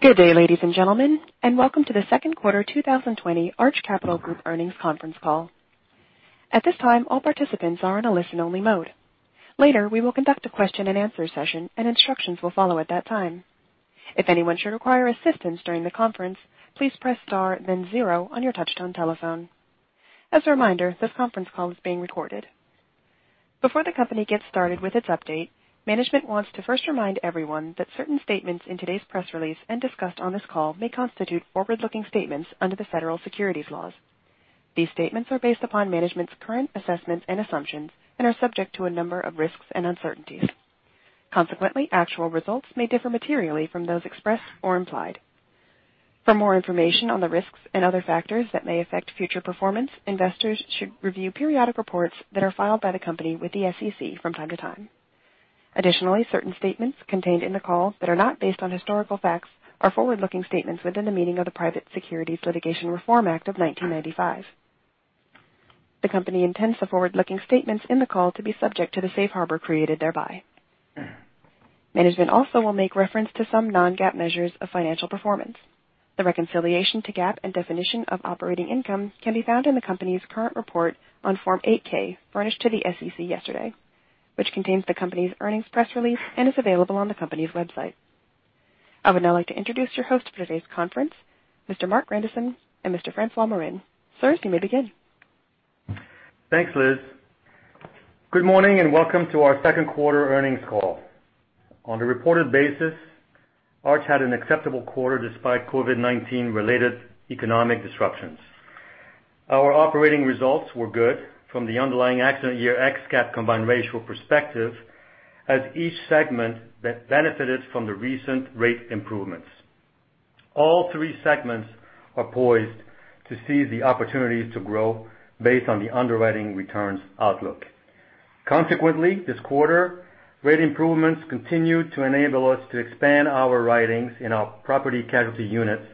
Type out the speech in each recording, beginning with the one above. Good day, ladies and gentlemen, and welcome to The Second Quarter 2020 Arch Capital Group earnings conference call. At this time, all participants are in a listen-only mode. Later, we will conduct a question-and-answer session, and instructions will follow at that time. If anyone should require assistance during the conference, please press star, then zero on your touch-tone telephone. As a reminder, this conference is being recorded. Before the company gets started with its update, management wants to first remind everyone that certain statements in today's press release and discussed on this call may constitute forward-looking statements under the federal securities laws. These statements are based upon management's current assessments and assumptions and are subject to a number of risks and uncertainties. Consequently, actual results may differ materially from those expressed or implied. For more information on the risks and other factors that may affect future performance, investors should review periodic reports that are filed by the company with the SEC from time to time. Additionally, certain statements contained in the call that are not based on historical facts are forward-looking statements within the meaning of the Private Securities Litigation Reform Act of 1995. The company intends the forward-looking statements in the call to be subject to the safe harbor created thereby. Management also will make reference to some non-GAAP measures of financial performance. The reconciliation to GAAP and definition of operating income can be found in the company's current report on Form 8K, furnished to the SEC yesterday, which contains the company's earnings press release and is available on the company's website. I would now like to introduce your hosts for today's conference, Mr. Marc Grandisson and Mr. François Morin. Sir, you may begin. Thanks, Liz. Good morning and welcome to our second quarter earnings call. On a reported basis, Arch had an acceptable quarter despite COVID-19-related economic disruptions. Our operating results were good from the underlying accident year ex-cat combined ratio perspective, as each segment benefited from the recent rate improvements. All three segments are poised to seize the opportunities to grow based on the underwriting returns outlook. Consequently, this quarter, rate improvements continue to enable us to expand our writings in our property casualty units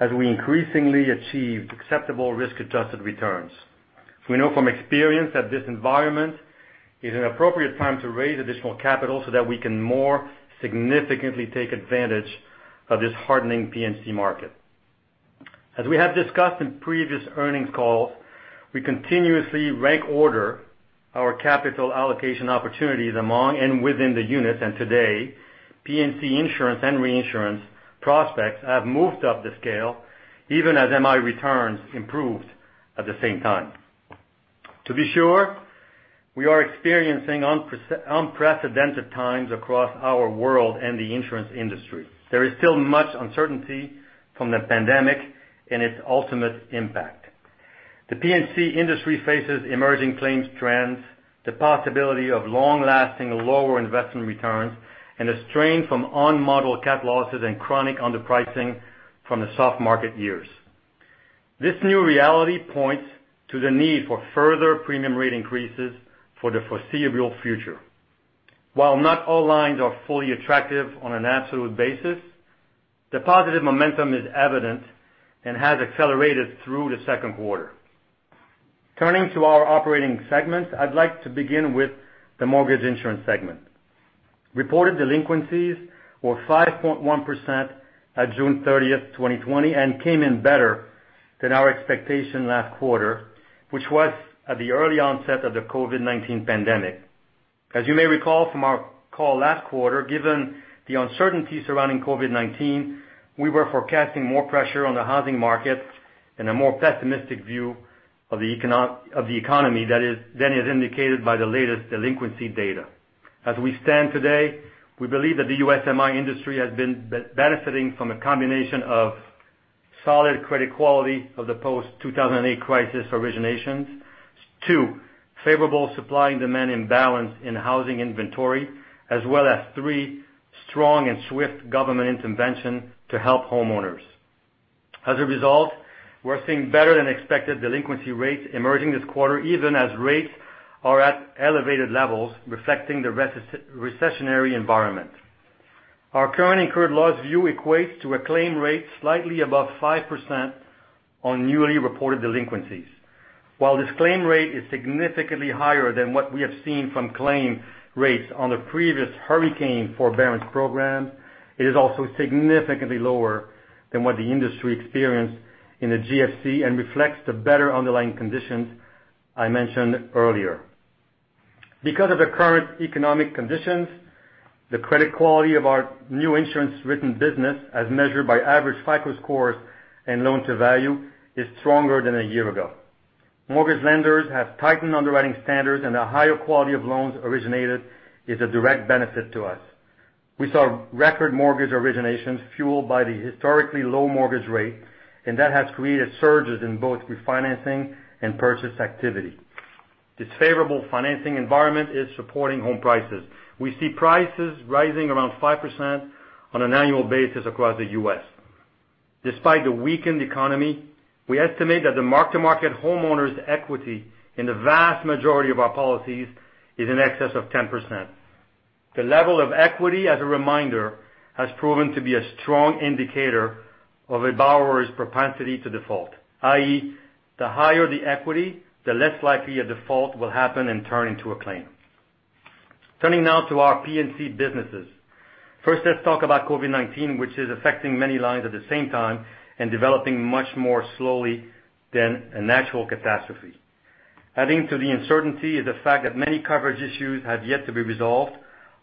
as we increasingly achieve acceptable risk-adjusted returns. We know from experience that this environment is an appropriate time to raise additional capital so that we can more significantly take advantage of this hardening P&C market. As we have discussed in previous earnings calls, we continuously rank order our capital allocation opportunities among and within the units, and today, P&C insurance and reinsurance prospects have moved up the scale, even as MI returns improved at the same time. To be sure, we are experiencing unprecedented times across our world and the insurance industry. There is still much uncertainty from the pandemic and its ultimate impact. The P&C industry faces emerging claims trends, the possibility of long-lasting lower investment returns, and a strain from unmodeled cat losses and chronic underpricing from the soft market years. This new reality points to the need for further premium rate increases for the foreseeable future. While not all lines are fully attractive on an absolute basis, the positive momentum is evident and has accelerated through the second quarter. Turning to our operating segments, I'd like to begin with the mortgage insurance segment. Reported delinquencies were 5.1% at June 30th, 2020, and came in better than our expectation last quarter, which was at the early onset of the COVID-19 pandemic. As you may recall from our call last quarter, given the uncertainty surrounding COVID-19, we were forecasting more pressure on the housing market and a more pessimistic view of the economy than is indicated by the latest delinquency data. As we stand today, we believe that the U.S. MI industry has been benefiting from a combination of solid credit quality of the post-2008 crisis originations, two, favorable supply and demand imbalance in housing inventory, as well as three, strong and swift government intervention to help homeowners. As a result, we're seeing better than expected delinquency rates emerging this quarter, even as rates are at elevated levels reflecting the recessionary environment. Our current and cure loss view equates to a claim rate slightly above 5% on newly reported delinquencies. While this claim rate is significantly higher than what we have seen from claim rates on the previous hurricane forbearance program, it is also significantly lower than what the industry experienced in the GFC and reflects the better underlying conditions I mentioned earlier. Because of the current economic conditions, the credit quality of our new insurance written business, as measured by average FICO scores and loan to value, is stronger than a year ago. Mortgage lenders have tightened underwriting standards, and the higher quality of loans originated is a direct benefit to us. We saw record mortgage originations fueled by the historically low mortgage rate, and that has created surges in both refinancing and purchase activity. This favorable financing environment is supporting home prices. We see prices rising around 5% on an annual basis across the U.S. Despite the weakened economy, we estimate that the market-to-market homeowners' equity in the vast majority of our policies is in excess of 10%. The level of equity, as a reminder, has proven to be a strong indicator of a borrower's propensity to default, i.e., the higher the equity, the less likely a default will happen and turn into a claim. Turning now to our P&C businesses. First, let's talk about COVID-19, which is affecting many lines at the same time and developing much more slowly than a natural catastrophe. Adding to the uncertainty is the fact that many coverage issues have yet to be resolved.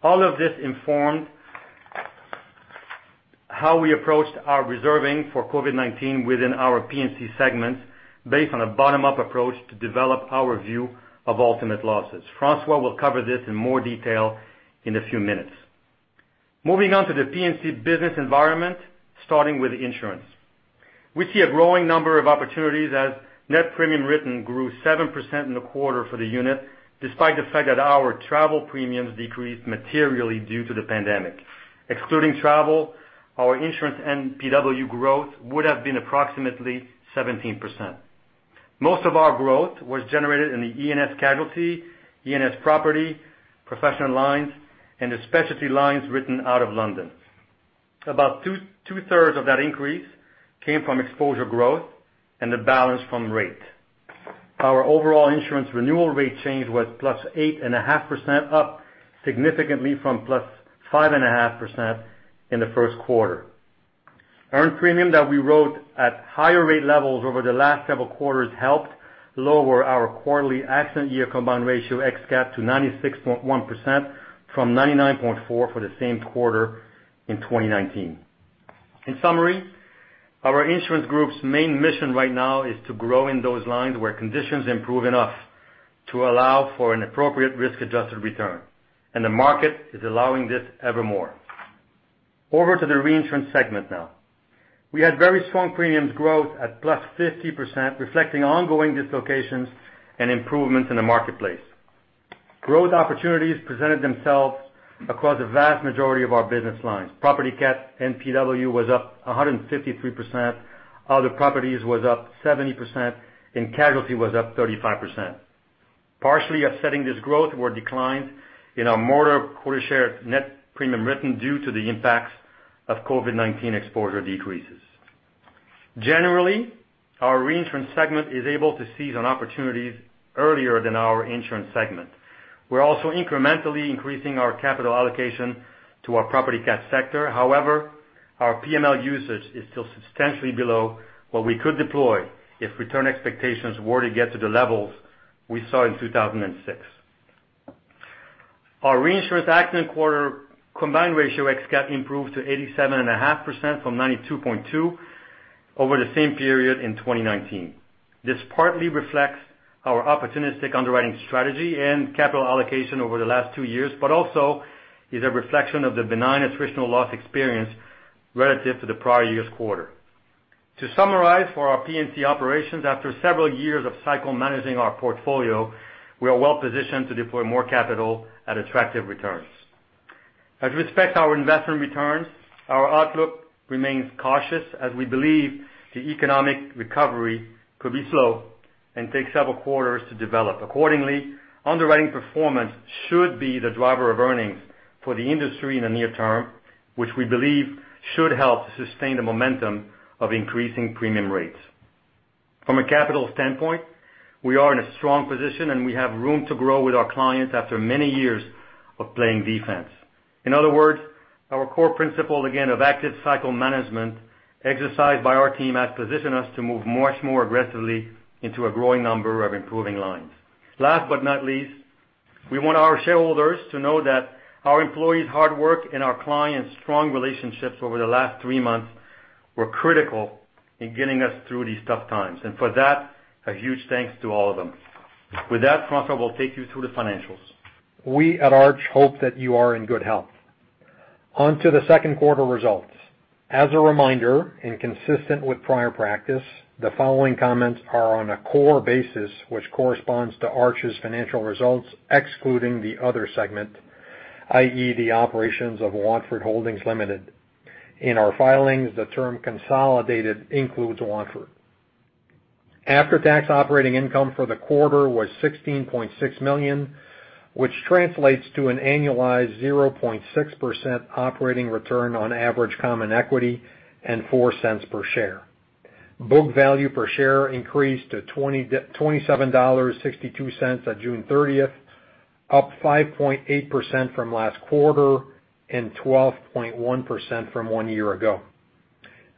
All of this informed how we approached our reserving for COVID-19 within our P&C segments based on a bottom-up approach to develop our view of ultimate losses. François will cover this in more detail in a few minutes. Moving on to the P&C business environment, starting with insurance. We see a growing number of opportunities as net premium written grew 7% in the quarter for the unit, despite the fact that our travel premiums decreased materially due to the pandemic. Excluding travel, our insurance and PW growth would have been approximately 17%. Most of our growth was generated in the E&S casualty, E&S property, professional lines, and the specialty lines written out of London. About two-thirds of that increase came from exposure growth and the balance from rate. Our overall insurance renewal rate change was plus 8.5%, up significantly from plus 5.5% in the first quarter. Earned premium that we wrote at higher rate levels over the last several quarters helped lower our quarterly accident year combined ratio ex cat to 96.1% from 99.4% for the same quarter in 2019. In summary, our insurance group's main mission right now is to grow in those lines where conditions improve enough to allow for an appropriate risk-adjusted return, and the market is allowing this evermore. Over to the reinsurance segment now. We had very strong premiums growth at 50%, reflecting ongoing dislocations and improvements in the marketplace. Growth opportunities presented themselves across the vast majority of our business lines. Property cat and P&C was up 153%. Other properties was up 70%, and casualty was up 35%. Partially upsetting this growth were declines in our mortgage quota-share net premium written due to the impacts of COVID-19 exposure decreases. Generally, our reinsurance segment is able to seize on opportunities earlier than our insurance segment. We're also incrementally increasing our capital allocation to our property cat sector. However, our PML usage is still substantially below what we could deploy if return expectations were to get to the levels we saw in 2006. Our reinsurance accident quarter combined ratio ex cat improved to 87.5% from 92.2% over the same period in 2019. This partly reflects our opportunistic underwriting strategy and capital allocation over the last two years, but also is a reflection of the benign attritional loss experience relative to the prior year's quarter. To summarize for our P&C operations, after several years of cycle managing our portfolio, we are well-positioned to deploy more capital at attractive returns. As we expect our investment returns, our outlook remains cautious as we believe the economic recovery could be slow and take several quarters to develop. Accordingly, underwriting performance should be the driver of earnings for the industry in the near term, which we believe should help to sustain the momentum of increasing premium rates. From a capital standpoint, we are in a strong position, and we have room to grow with our clients after many years of playing defense. In other words, our core principle, again, of active cycle management exercised by our team has positioned us to move much more aggressively into a growing number of improving lines. Last but not least, we want our shareholders to know that our employees' hard work and our clients' strong relationships over the last three months were critical in getting us through these tough times, and for that, a huge thanks to all of them. With that, François will take you through the financials. We at Arch hope that you are in good health. On to the second quarter results. As a reminder, and consistent with prior practice, the following comments are on a core basis which corresponds to Arch's financial results, excluding the other segment, i.e., the operations of Watford Holdings Limited. In our filings, the term consolidated includes Watford. After-tax operating income for the quarter was $16.6 million, which translates to an annualized 0.6% operating return on average common equity and $0.04 per share. Book value per share increased to $27.62 at June 30th, up 5.8% from last quarter and 12.1% from one year ago.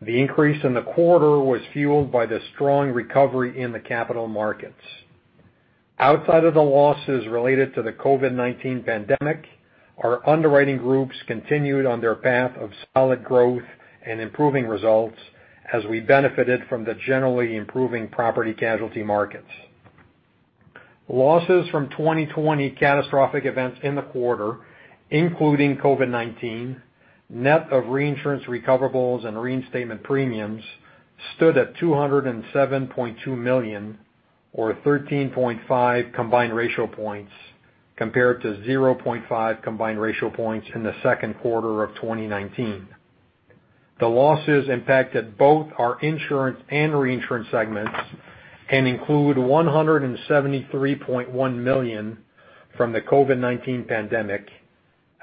The increase in the quarter was fueled by the strong recovery in the capital markets. Outside of the losses related to the COVID-19 pandemic, our underwriting groups continued on their path of solid growth and improving results as we benefited from the generally improving property casualty markets. Losses from 2020 catastrophic events in the quarter, including COVID-19, net of reinsurance recoverables and reinstatement premiums, stood at $207.2 million or 13.5 combined ratio points compared to 0.5 combined ratio points in the second quarter of 2019. The losses impacted both our insurance and reinsurance segments and include $173.1 million from the COVID-19 pandemic,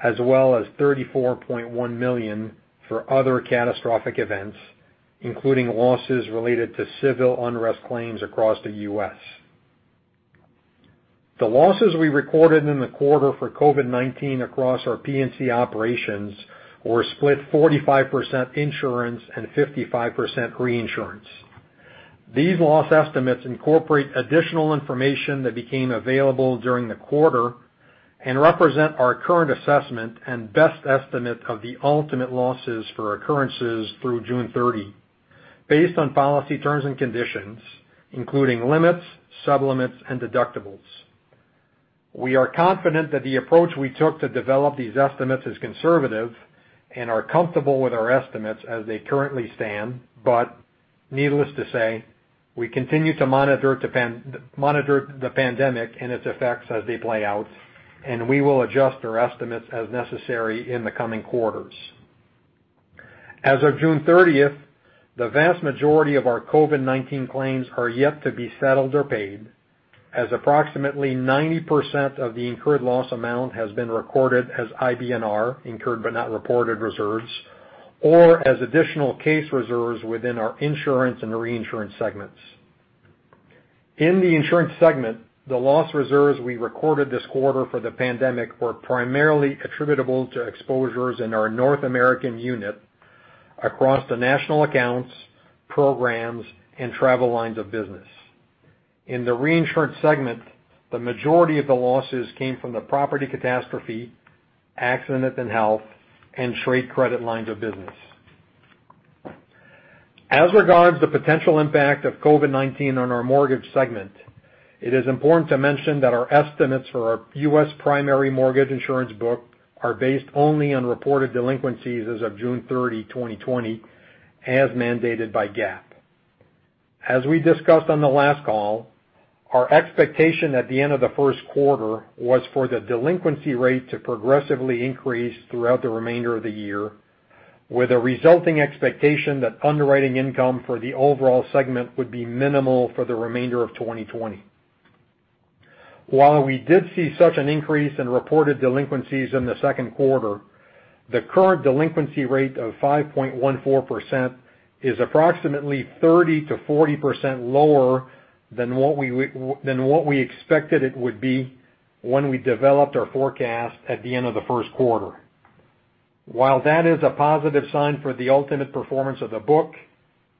as well as $34.1 million for other catastrophic events, including losses related to civil unrest claims across the U.S. The losses we recorded in the quarter for COVID-19 across our P&C operations were split 45% insurance and 55% reinsurance. These loss estimates incorporate additional information that became available during the quarter and represent our current assessment and best estimate of the ultimate losses for occurrences through June 30, based on policy terms and conditions, including limits, sublimits, and deductibles. We are confident that the approach we took to develop these estimates is conservative and are comfortable with our estimates as they currently stand, but needless to say, we continue to monitor the pandemic and its effects as they play out, and we will adjust our estimates as necessary in the coming quarters. As of June 30th, the vast majority of our COVID-19 claims are yet to be settled or paid, as approximately 90% of the incurred loss amount has been recorded as IBNR, incurred but not reported reserves, or as additional case reserves within our insurance and reinsurance segments. In the insurance segment, the loss reserves we recorded this quarter for the pandemic were primarily attributable to exposures in our North American unit across the national accounts, programs, and travel lines of business. In the reinsurance segment, the majority of the losses came from the property catastrophe, accident and health, and trade credit lines of business. As regards the potential impact of COVID-19 on our mortgage segment, it is important to mention that our estimates for our U.S. primary mortgage insurance book are based only on reported delinquencies as of June 30, 2020, as mandated by GAAP. As we discussed on the last call, our expectation at the end of the first quarter was for the delinquency rate to progressively increase throughout the remainder of the year, with a resulting expectation that underwriting income for the overall segment would be minimal for the remainder of 2020. While we did see such an increase in reported delinquencies in the second quarter, the current delinquency rate of 5.14% is approximately 30%-40% lower than what we expected it would be when we developed our forecast at the end of the first quarter. While that is a positive sign for the ultimate performance of the book,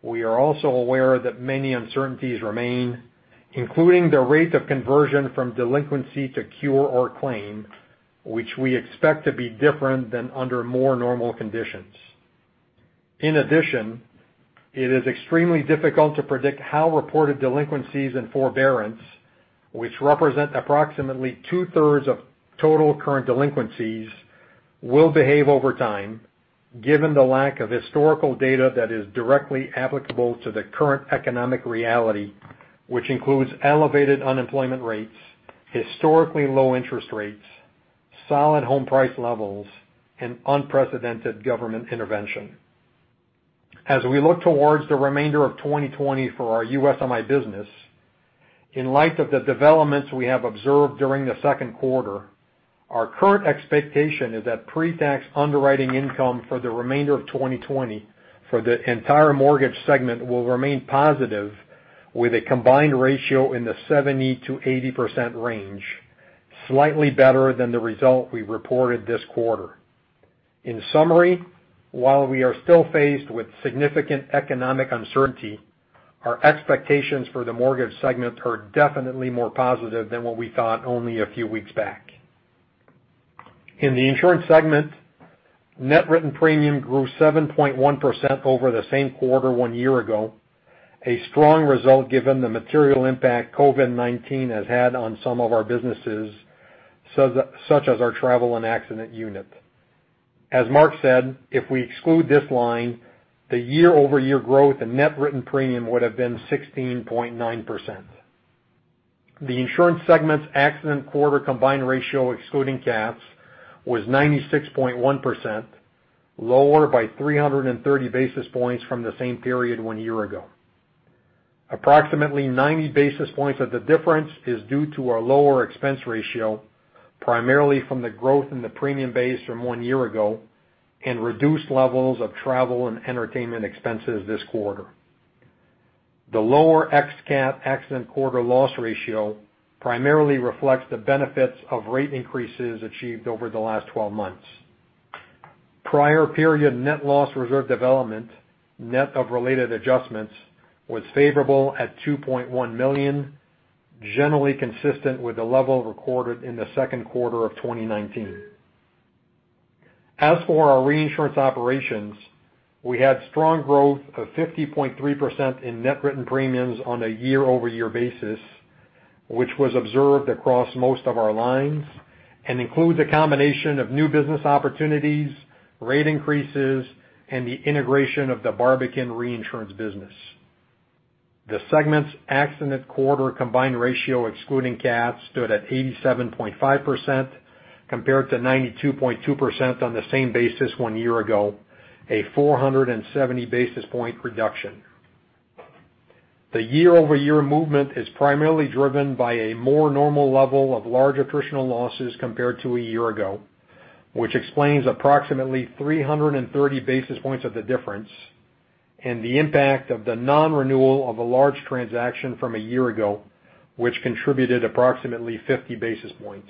we are also aware that many uncertainties remain, including the rate of conversion from delinquency to cure or claim, which we expect to be different than under more normal conditions. In addition, it is extremely difficult to predict how reported delinquencies and forbearance, which represent approximately two-thirds of total current delinquencies, will behave over time, given the lack of historical data that is directly applicable to the current economic reality, which includes elevated unemployment rates, historically low interest rates, solid home price levels, and unprecedented government intervention. As we look towards the remainder of 2020 for our USMI business, in light of the developments we have observed during the second quarter, our current expectation is that pre-tax underwriting income for the remainder of 2020 for the entire mortgage segment will remain positive, with a combined ratio in the 70%-80% range, slightly better than the result we reported this quarter. In summary, while we are still faced with significant economic uncertainty, our expectations for the mortgage segment are definitely more positive than what we thought only a few weeks back. In the insurance segment, net written premium grew 7.1% over the same quarter one year ago, a strong result given the material impact COVID-19 has had on some of our businesses, such as our travel and accident unit. As Mark said, if we exclude this line, the year-over-year growth in net written premium would have been 16.9%. The insurance segment's accident quarter combined ratio, excluding cats, was 96.1%, lower by 330 basis points from the same period one year ago. Approximately 90 basis points of the difference is due to our lower expense ratio, primarily from the growth in the premium base from one year ago and reduced levels of travel and entertainment expenses this quarter. The lower ex cap accident quarter loss ratio primarily reflects the benefits of rate increases achieved over the last 12 months. Prior period net loss reserve development, net of related adjustments, was favorable at $2.1 million, generally consistent with the level recorded in the second quarter of 2019. As for our reinsurance operations, we had strong growth of 50.3% in net written premiums on a year-over-year basis, which was observed across most of our lines and includes a combination of new business opportunities, rate increases, and the integration of the Barbican and reinsurance business. The segment's accident year combined ratio, excluding caps, stood at 87.5% compared to 92.2% on the same basis one year ago, a 470 basis point reduction. The year-over-year movement is primarily driven by a more normal level of large attritional losses compared to a year ago, which explains approximately 330 basis points of the difference and the impact of the non-renewal of a large transaction from a year ago, which contributed approximately 50 basis points.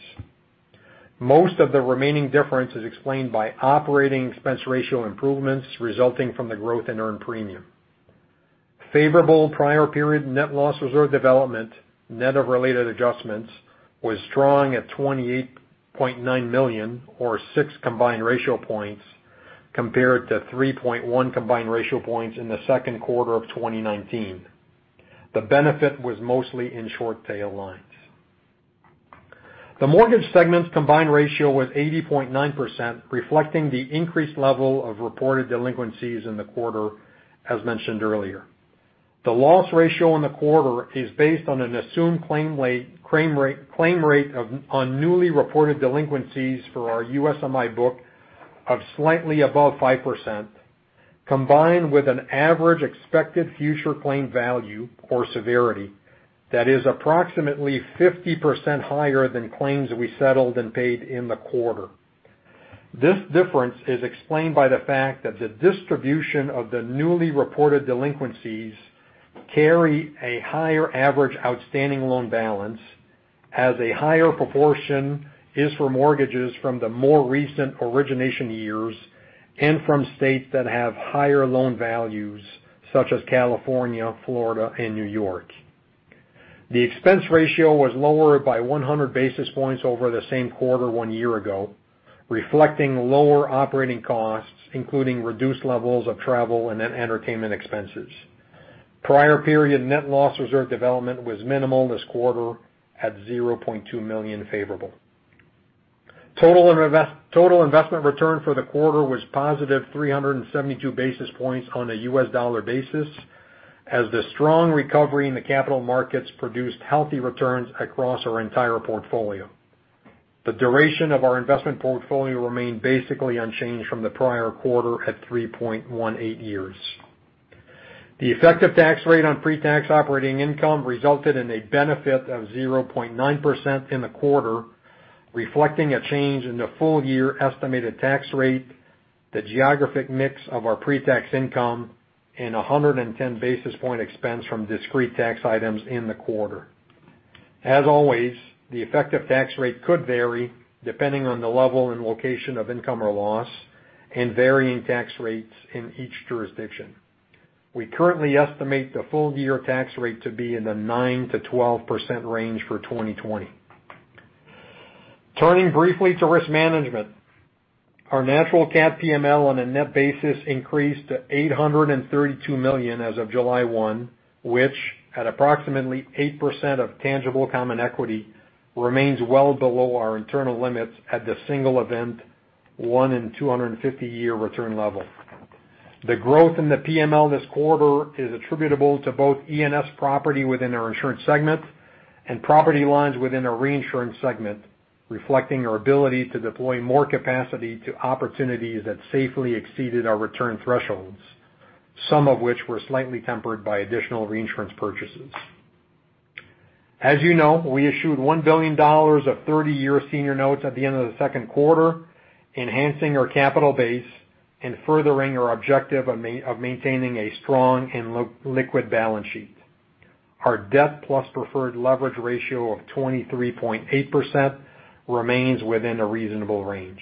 Most of the remaining difference is explained by operating expense ratio improvements resulting from the growth in earned premium. Favorable prior period net loss reserve development, net of related adjustments, was strong at $28.9 million or 6 combined ratio points compared to 3.1 combined ratio points in the second quarter of 2019. The benefit was mostly in short tail lines. The mortgage segment's combined ratio was 80.9%, reflecting the increased level of reported delinquencies in the quarter, as mentioned earlier. The loss ratio in the quarter is based on an assumed claim rate on newly reported delinquencies for our USMI book of slightly above 5%, combined with an average expected future claim value or severity that is approximately 50% higher than claims we settled and paid in the quarter. This difference is explained by the fact that the distribution of the newly reported delinquencies carries a higher average outstanding loan balance, as a higher proportion is for mortgages from the more recent origination years and from states that have higher loan values, such as California, Florida, and New York. The expense ratio was lower by 100 basis points over the same quarter one year ago, reflecting lower operating costs, including reduced levels of travel and entertainment expenses. Prior period net loss reserve development was minimal this quarter, at $0.2 million favorable. Total investment return for the quarter was positive 372 basis points on a U.S. dollar basis, as the strong recovery in the capital markets produced healthy returns across our entire portfolio. The duration of our investment portfolio remained basically unchanged from the prior quarter at 3.18 years. The effective tax rate on pre-tax operating income resulted in a benefit of 0.9% in the quarter, reflecting a change in the full-year estimated tax rate, the geographic mix of our pre-tax income, and 110 basis points expense from discrete tax items in the quarter. As always, the effective tax rate could vary depending on the level and location of income or loss and varying tax rates in each jurisdiction. We currently estimate the full-year tax rate to be in the 9%-12% range for 2020. Turning briefly to risk management, our natural cat PML on a net basis increased to $832 million as of July 1, which, at approximately 8% of tangible common equity, remains well below our internal limits at the single event, one in 250-year return level. The growth in the PML this quarter is attributable to both E&S property within our insurance segment and property lines within our reinsurance segment, reflecting our ability to deploy more capacity to opportunities that safely exceeded our return thresholds, some of which were slightly tempered by additional reinsurance purchases. As you know, we issued $1 billion of 30-year senior notes at the end of the second quarter, enhancing our capital base and furthering our objective of maintaining a strong and liquid balance sheet. Our debt plus preferred leverage ratio of 23.8% remains within a reasonable range.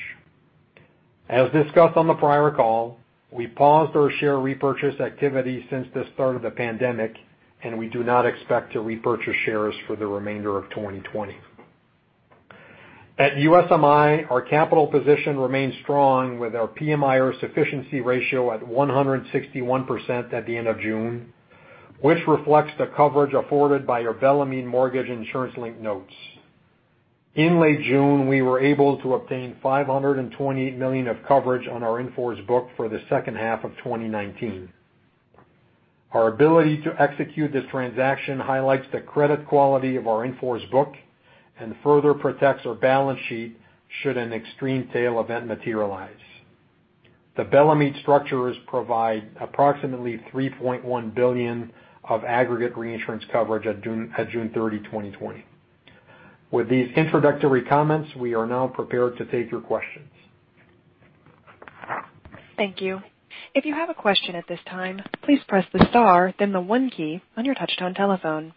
As discussed on the prior call, we paused our share repurchase activity since the start of the pandemic, and we do not expect to repurchase shares for the remainder of 2020. At USMI, our capital position remains strong with our PMIERs sufficiency ratio at 161% at the end of June, which reflects the coverage afforded by our Bellemeade Mortgage Insurance Link notes. In late June, we were able to obtain $528 million of coverage on our in-force book for the second half of 2019. Our ability to execute this transaction highlights the credit quality of our in-force book and further protects our balance sheet should an extreme tail event materialize. The Bellemeade structures provide approximately $3.1 billion of aggregate reinsurance coverage at June 30, 2020. With these introductory comments, we are now prepared to take your questions. Thank you. If you have a question at this time, please press the star, then the one key on your touch-tone telephone.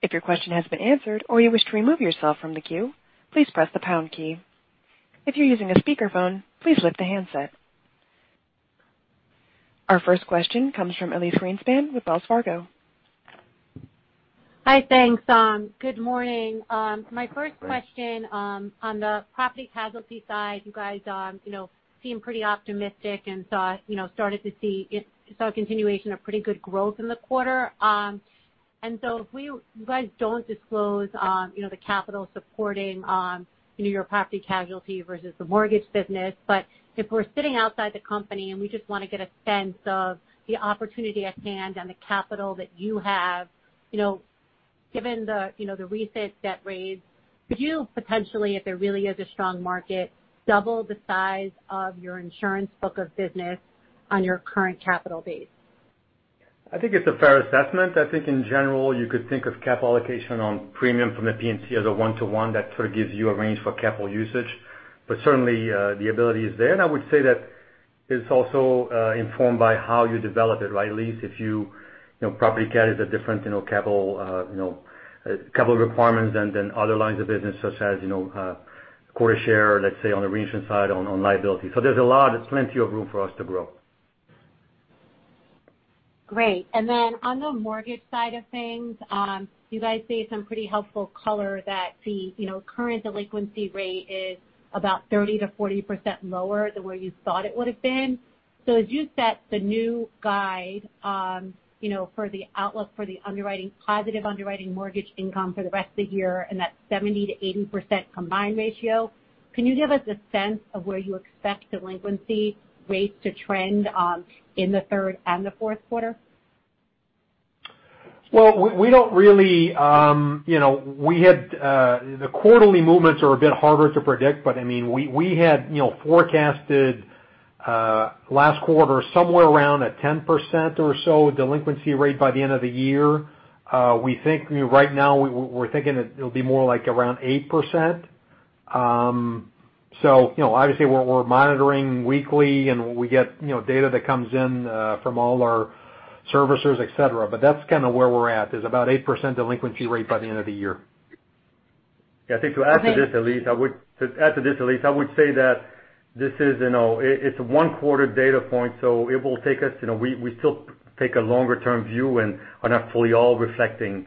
If your question has been answered or you wish to remove yourself from the queue, please press the pound key. If you're using a speakerphone, please lift the handset. Our first question comes from Elyse Greenspan with Wells Fargo. Hi, thanks. Good morning. My first question on the property casualty side, you guys seem pretty optimistic and started to see a continuation of pretty good growth in the quarter, and so you guys don't disclose the capital supporting your property casualty versus the mortgage business, but if we're sitting outside the company and we just want to get a sense of the opportunity at hand and the capital that you have, given the recent debt raise, could you potentially, if there really is a strong market, double the size of your insurance book of business on your current capital base? I think it's a fair assessment. I think in general, you could think of capital allocation on premium from the P&C as a one-to-one that sort of gives you a range for capital usage. But certainly, the ability is there. And I would say that it's also informed by how you develop it, right? At least if you property cat is a different capital requirements than other lines of business, such as quota share, let's say, on the reinsurance side on liability. So there's plenty of room for us to grow. Great. And then on the mortgage side of things, you guys see some pretty helpful color that the current delinquency rate is about 30%-40% lower than where you thought it would have been. So as you set the new guide for the outlook for the positive underwriting mortgage income for the rest of the year and that 70%-80% combined ratio, can you give us a sense of where you expect delinquency rates to trend in the third and the fourth quarter? The quarterly movements are a bit harder to predict, but I mean, we had forecasted last quarter somewhere around a 10% or so delinquency rate by the end of the year. We think right now we're thinking it'll be more like around 8%. Obviously, we're monitoring weekly and we get data that comes in from all our servicers, etc. That's kind of where we're at, is about 8% delinquency rate by the end of the year. Yeah. I think to add to this, Elyse, I would say that this is. It's a one-quarter data point, so it will take us. We still take a longer-term view and are not fully reflecting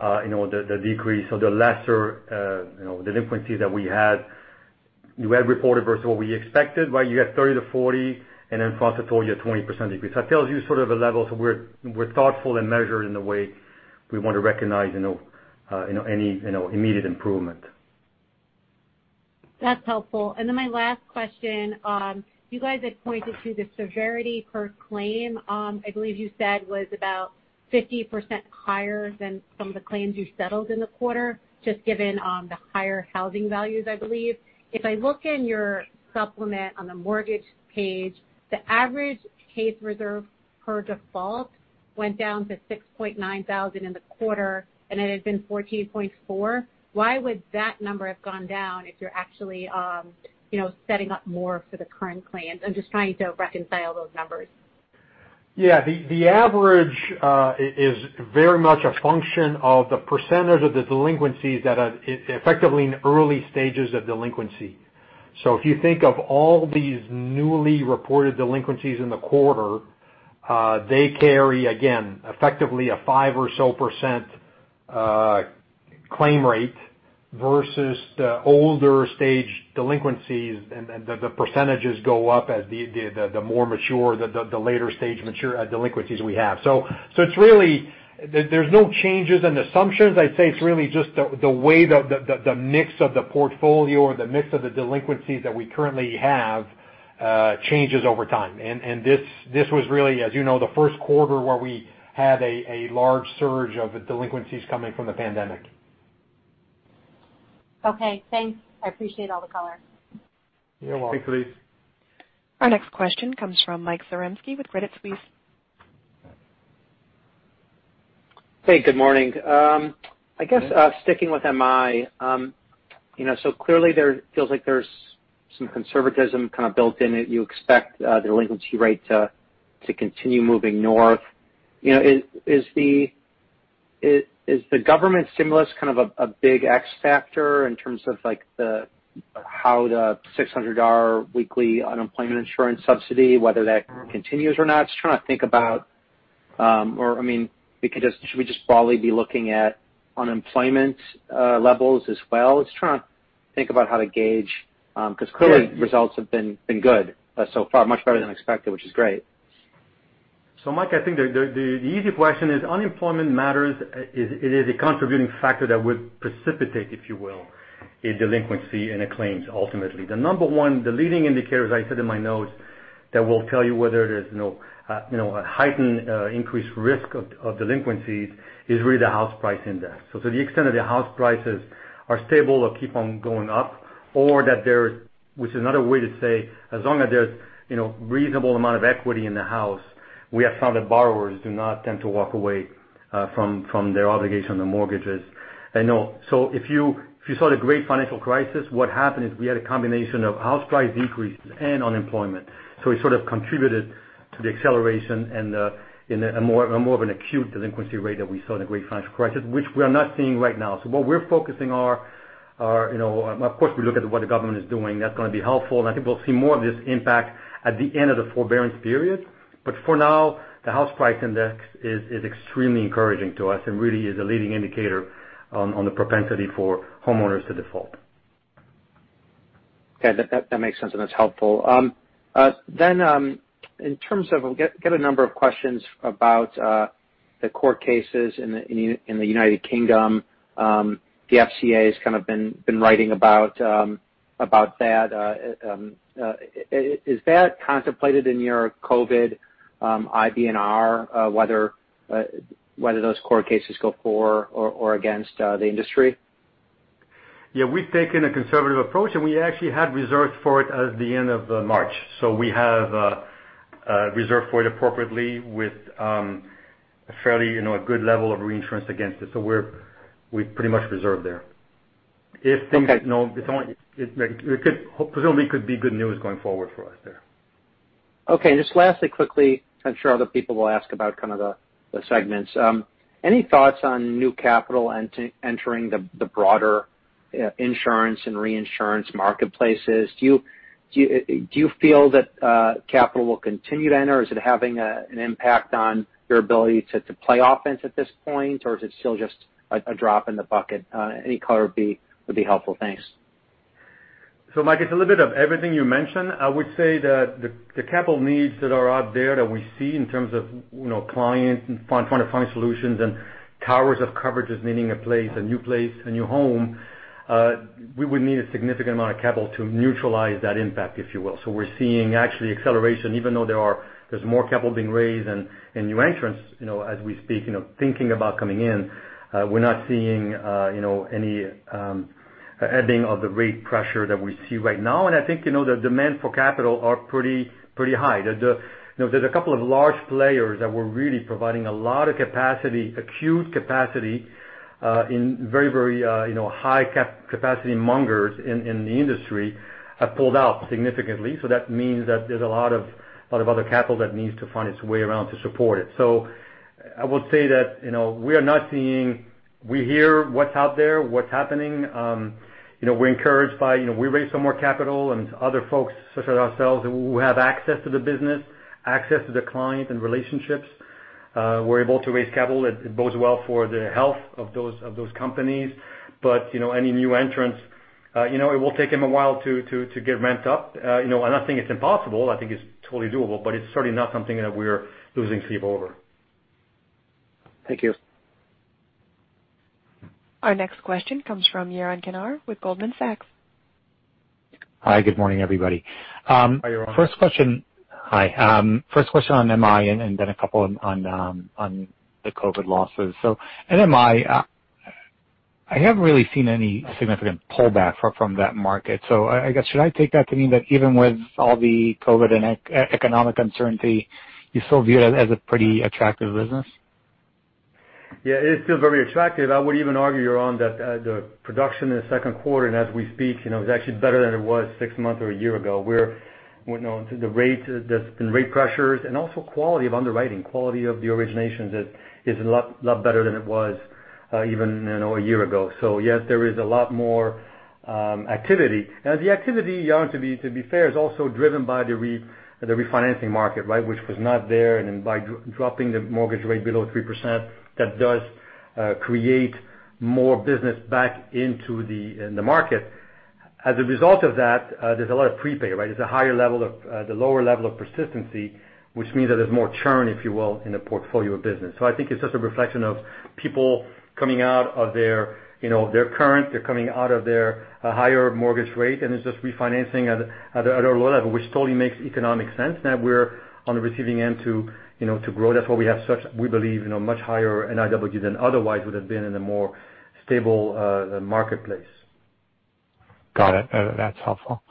the decrease or the lesser delinquency that we had. You had reported versus what we expected, right? You had 30-40, and then François told you a 20% decrease. That tells you sort of a level. So we're thoughtful and measured in the way we want to recognize any immediate improvement. That's helpful. And then my last question, you guys had pointed to the severity per claim. I believe you said was about 50% higher than some of the claims you settled in the quarter, just given the higher housing values, I believe. If I look in your supplement on the mortgage page, the average case reserve per default went down to $6,900 in the quarter, and it had been $14,400. Why would that number have gone down if you're actually setting up more for the current claims? I'm just trying to reconcile those numbers. Yeah. The average is very much a function of the percentage of the delinquencies that are effectively in early stages of delinquency, so if you think of all these newly reported delinquencies in the quarter, they carry, again, effectively a 5% or so claim rate versus the older stage delinquencies, and the percentages go up as the more mature, the later stage delinquencies we have, so it's really. There's no changes in assumptions. I'd say it's really just the way the mix of the portfolio or the mix of the delinquencies that we currently have changes over time, and this was really, as you know, the first quarter where we had a large surge of delinquencies coming from the pandemic. Okay. Thanks. I appreciate all the color. You're welcome. Thank you, Elyse. Our next question comes from Mike Zaremski with Credit Suisse. Hey, good morning. I guess sticking with MI, so clearly there feels like there's some conservatism kind of built in that you expect delinquency rate to continue moving north. Is the government stimulus kind of a big X factor in terms of how the $600 weekly unemployment insurance subsidy, whether that continues or not? Just trying to think about, or I mean, should we just broadly be looking at unemployment levels as well? Just trying to think about how to gauge because clearly results have been good so far, much better than expected, which is great. So, Mike, I think the easy question is unemployment matters. It is a contributing factor that would precipitate, if you will, delinquency in the claims ultimately. The number one, the leading indicator, as I said in my notes, that will tell you whether there's a heightened increased risk of delinquencies is really the house price index. So to the extent that the house prices are stable or keep on going up, or that there's, which is another way to say, as long as there's a reasonable amount of equity in the house, we have found that borrowers do not tend to walk away from their obligation on the mortgages. So if you saw the Great Financial Crisis, what happened is we had a combination of house price decreases and unemployment. So it sort of contributed to the acceleration and more of an acute delinquency rate that we saw in the Great Financial Crisis, which we are not seeing right now. So what we're focusing on, of course, we look at what the government is doing. That's going to be helpful. And I think we'll see more of this impact at the end of the forbearance period. But for now, the house price index is extremely encouraging to us and really is a leading indicator on the propensity for homeowners to default. Okay. That makes sense, and that's helpful. Then in terms of we'll get a number of questions about the court cases in the United Kingdom. The FCA has kind of been writing about that. Is that contemplated in your COVID IBNR, whether those court cases go for or against the industry? Yeah. We've taken a conservative approach, and we actually had reserved for it at the end of March. So we have reserved for it appropriately with a fairly good level of reinsurance against it. So we're pretty much reserved there. If things, it could presumably be good news going forward for us there. Okay. Just lastly, quickly, I'm sure other people will ask about kind of the segments. Any thoughts on new capital entering the broader insurance and reinsurance marketplaces? Do you feel that capital will continue to enter, or is it having an impact on your ability to play offense at this point, or is it still just a drop in the bucket? Any color would be helpful. Thanks. So Mike, it's a little bit of everything you mentioned. I would say that the capital needs that are out there that we see in terms of clients, finding solutions, and towers of coverages needing a place, a new place, a new home. We would need a significant amount of capital to neutralize that impact, if you will. So we're seeing actually acceleration, even though there's more capital being raised and new entrants as we speak, thinking about coming in. We're not seeing any adding of the rate pressure that we see right now. And I think the demand for capital is pretty high. There's a couple of large players that were really providing a lot of capacity, acute capacity in very, very high capacity mongers in the industry have pulled out significantly. So that means that there's a lot of other capital that needs to find its way around to support it. So I would say that we are not seeing. We hear what's out there, what's happening. We're encouraged by we raise some more capital and other folks, such as ourselves, who have access to the business, access to the client and relationships. We're able to raise capital. It bodes well for the health of those companies. But any new entrants, it will take them a while to get ramped up. I'm not saying it's impossible. I think it's totally doable, but it's certainly not something that we're losing sleep over. Thank you. Our next question comes from Yaron Kinar with Goldman Sachs. Hi. Good morning, everybody. Hi, Yoran. First question. Hi. First question on MI and then a couple on the COVID losses. So at MI, I haven't really seen any significant pullback from that market. So I guess should I take that to mean that even with all the COVID and economic uncertainty, you still view it as a pretty attractive business? Yeah. It is still very attractive. I would even argue, Yoran, that the production in the second quarter and as we speak, it's actually better than it was six months or a year ago. The rate pressures and also quality of underwriting, quality of the originations is a lot better than it was even a year ago. So yes, there is a lot more activity. And the activity, Yoran, to be fair, is also driven by the refinancing market, right, which was not there. And then by dropping the mortgage rate below 3%, that does create more business back into the market. As a result of that, there's a lot of prepay, right? There's a higher level of the lower level of persistency, which means that there's more churn, if you will, in the portfolio of business. So, I think it's just a reflection of people coming out of their current. They're coming out of their higher mortgage rate, and it's just refinancing at a lower level, which totally makes economic sense that we're on the receiving end to grow. That's why we have such, we believe, much higher NIW than otherwise would have been in a more stable marketplace. Got it. That's helpful.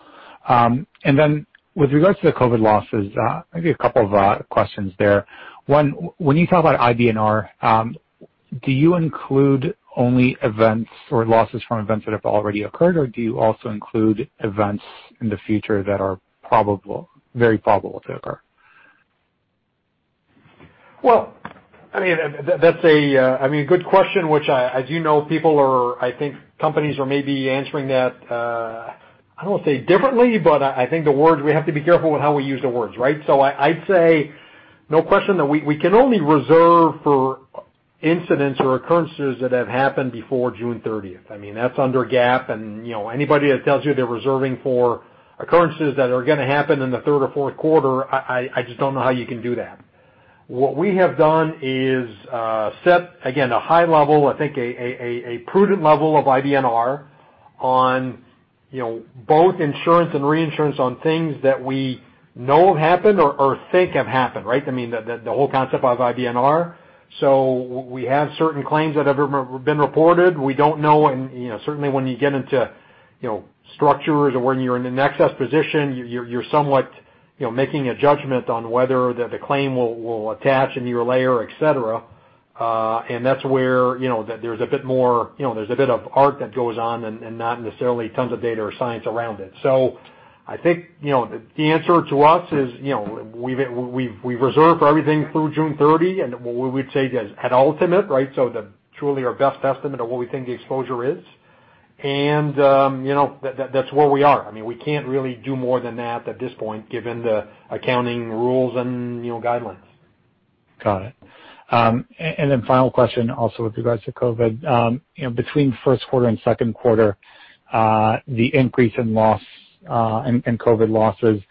And then with regards to the COVID losses, maybe a couple of questions there. One, when you talk about IBNR, do you include only events or losses from events that have already occurred, or do you also include events in the future that are very probable to occur? I mean, that's a good question, which I do know people are, I think, companies are maybe answering that. I don't want to say differently, but I think the words we have to be careful with how we use the words, right? So I'd say no question that we can only reserve for incidents or occurrences that have happened before June 30th. I mean, that's under GAAP. And anybody that tells you they're reserving for occurrences that are going to happen in the third or fourth quarter, I just don't know how you can do that. What we have done is set, again, a high level, I think a prudent level of IBNR on both insurance and reinsurance on things that we know have happened or think have happened, right? I mean, the whole concept of IBNR. So we have certain claims that have been reported. We don't know. And certainly when you get into structures or when you're in an excess position, you're somewhat making a judgment on whether the claim will attach in your layer, etc. And that's where there's a bit of art that goes on and not necessarily tons of data or science around it. So I think the answer to us is we've reserved for everything through June 30, and we would say at ultimate, right, so truly our best estimate of what we think the exposure is. And that's where we are. I mean, we can't really do more than that at this point, given the accounting rules and guidelines. Got it. And then final question also with regards to COVID. Between first quarter and second quarter, the increase in loss and COVID losses.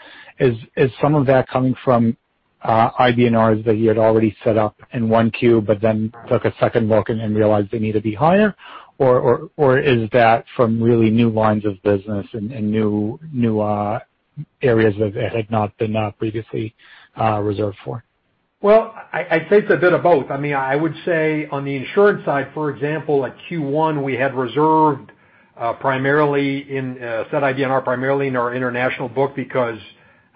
Is some of that coming from IBNRs that you had already set up in Q1, but then took a second look and realized they need to be higher? Or is that from really new lines of business and new areas that had not been previously reserved for? Well, I'd say it's a bit of both. I mean, I would say on the insurance side, for example, at Q1, we had reserved primarily in net IBNR primarily in our international book because,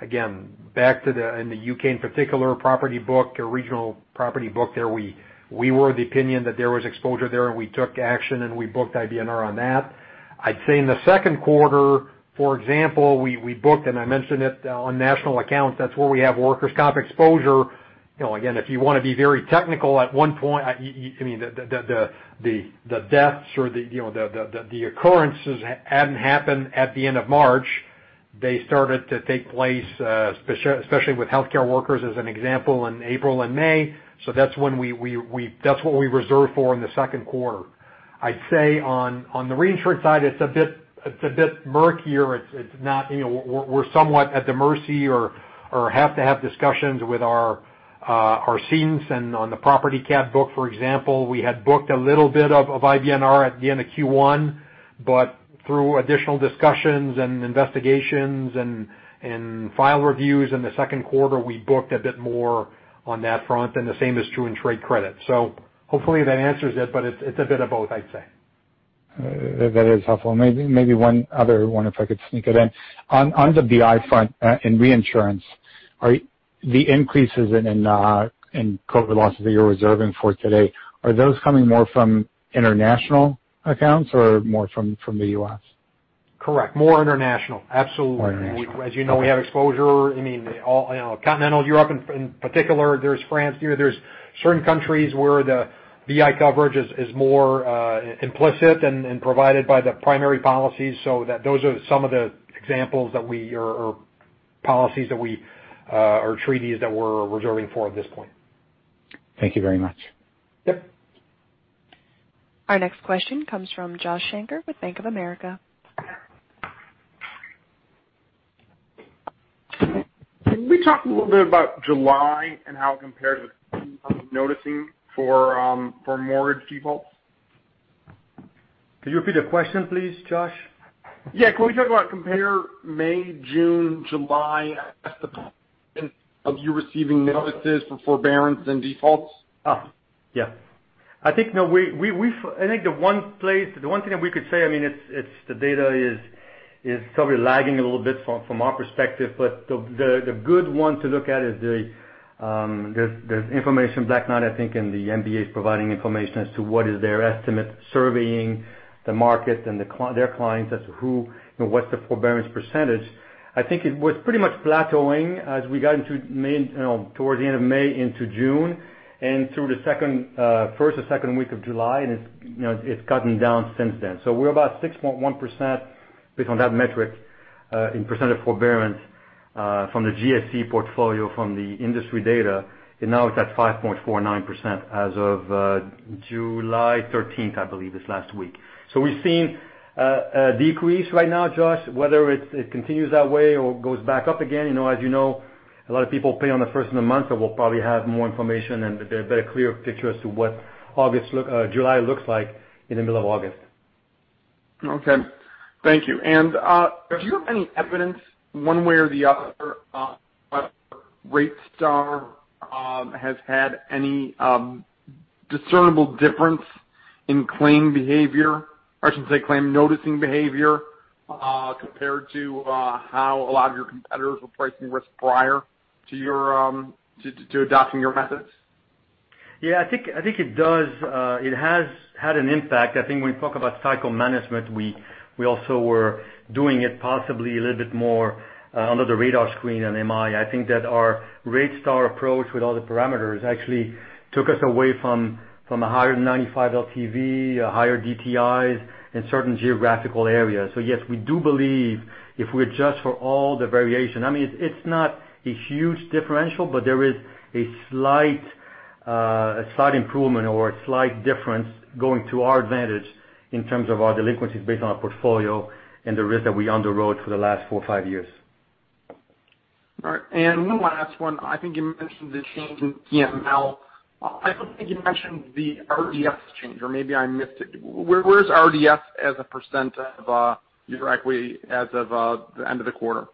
again, back to the, in the U.K. in particular, property book, regional property book there, we were of the opinion that there was exposure there, and we took action, and we booked IBNR on that. I'd say in the second quarter, for example, we booked, and I mentioned it on national accounts, that's where we have workers' comp exposure. Again, if you want to be very technical, at one point, I mean, the deaths or the occurrences hadn't happened at the end of March. They started to take place, especially with healthcare workers as an example, in April and May. So that's when we, that's what we reserved for in the second quarter. I'd say on the reinsurance side, it's a bit murkier. It's not that we're somewhat at the mercy or have to have discussions with our reinsurers. And on the property cat book, for example, we had booked a little bit of IBNR at the end of Q1, but through additional discussions and investigations and file reviews in the second quarter, we booked a bit more on that front. And the same is true in trade credit. So hopefully that answers it, but it's a bit of both, I'd say. That is helpful. Maybe one other one, if I could sneak it in. On the BI front, in reinsurance, the increases in COVID losses that you're reserving for today, are those coming more from international accounts or more from the U.S.? Correct. More international. Absolutely. As you know, we have exposure. I mean, continental Europe in particular, there's France. There's certain countries where the BI coverage is more implicit and provided by the primary policies. So those are some of the examples of our policies or treaties that we're reserving for at this point. Thank you very much. Yep. Our next question comes from Josh Shanker with Bank of America. Can we talk a little bit about July and how it compared with notices in for mortgage defaults? Could you repeat the question, please, Josh? Yeah. Can we talk about comparing May, June, July as the time of you receiving notices for forbearance and defaults? Yeah. I think no. I think the one place, the one thing that we could say, I mean, it's the data is probably lagging a little bit from our perspective, but the good one to look at is the information Black Knight, I think, and the MBA's providing information as to what is their estimate, surveying the market and their clients as to what's the forbearance percentage. I think it was pretty much plateauing as we got into towards the end of May into June and through the first or second week of July, and it's come down since then. So we're about 6.1% based on that metric in percent of forbearance from the GSC portfolio from the industry data. And now it's at 5.49% as of July 13th, I believe it's last week. So we've seen a decrease right now, Josh, whether it continues that way or goes back up again. As you know, a lot of people pay on the first of the month, so we'll probably have more information and a better clear picture as to what July looks like in the middle of August. Okay. Thank you. And do you have any evidence one way or the other whether RateStar has had any discernible difference in claim behavior or I shouldn't say claim noticing behavior compared to how a lot of your competitors were pricing risk prior to adopting your methods? Yeah. I think it does. It has had an impact. I think when we talk about cycle management, we also were doing it possibly a little bit more under the radar screen on MI. I think that our RateStar approach with all the parameters actually took us away from a higher 95 LTV, higher DTIs in certain geographical areas. So yes, we do believe if we adjust for all the variation, I mean, it's not a huge differential, but there is a slight improvement or a slight difference going to our advantage in terms of our delinquencies based on our portfolio and the risk that we underwrote for the last four or five years. All right. And one last one. I think you mentioned the change in PML. I don't think you mentioned the RDS change, or maybe I missed it. Where's RDS as a % of your equity as of the end of the quarter?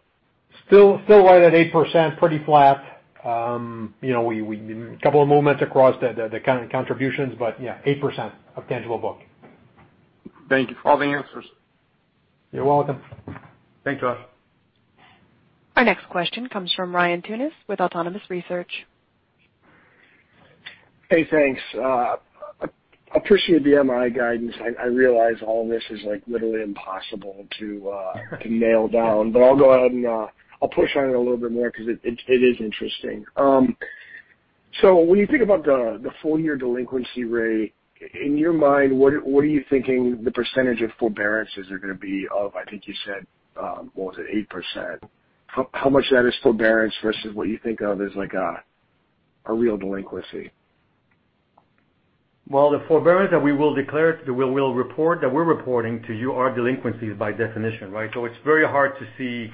Still right at 8%, pretty flat. We did a couple of movements across the contributions, but yeah, 8% of tangible book. Thank you for all the answers. You're welcome. Thanks, Josh. Our next question comes from Ryan Tunis with Autonomous Research. Hey, thanks. Appreciate the MI guidance. I realize all of this is literally impossible to nail down, but I'll go ahead and I'll push on it a little bit more because it is interesting. So when you think about the full year delinquency rate, in your mind, what are you thinking the percentage of forbearances are going to be of, I think you said, what was it, 8%? How much of that is forbearance versus what you think of as a real delinquency? The forbearance that we will declare, that we'll report, that we're reporting to you are delinquencies by definition, right? It's very hard to see,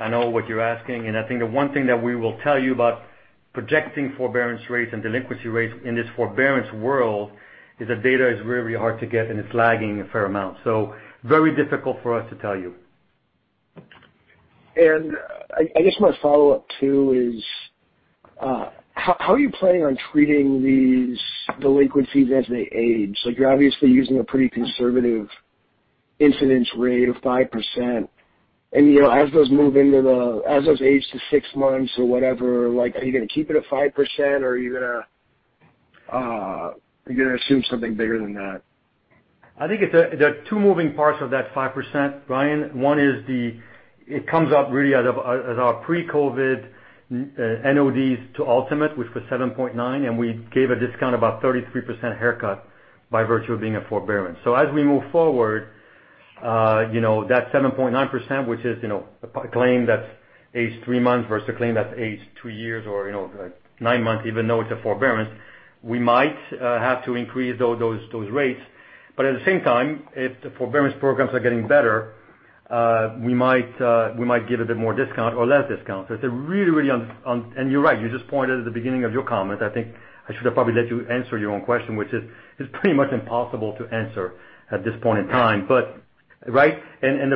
I know what you're asking. I think the one thing that we will tell you about projecting forbearance rates and delinquency rates in this forbearance world is that data is really hard to get, and it's lagging a fair amount. Very difficult for us to tell you. And I just want to follow up too: how are you planning on treating these delinquencies as they age? So you're obviously using a pretty conservative incidence rate of 5%. And as those age to six months or whatever, are you going to keep it at 5%, or are you going to assume something bigger than that? I think there are two moving parts of that 5%, Ryan. One is the it comes up really as our pre-COVID NODs to ultimate, which was 7.9%, and we gave a discount of about 33% haircut by virtue of being a forbearance. So as we move forward, that 7.9%, which is a claim that's aged three months versus a claim that's aged two years or nine months, even though it's a forbearance, we might have to increase those rates. But at the same time, if the forbearance programs are getting better, we might give a bit more discount or less discount. So it's a really, really and you're right. You just pointed at the beginning of your comment. I think I should have probably let you answer your own question, which is it's pretty much impossible to answer at this point in time, but right? And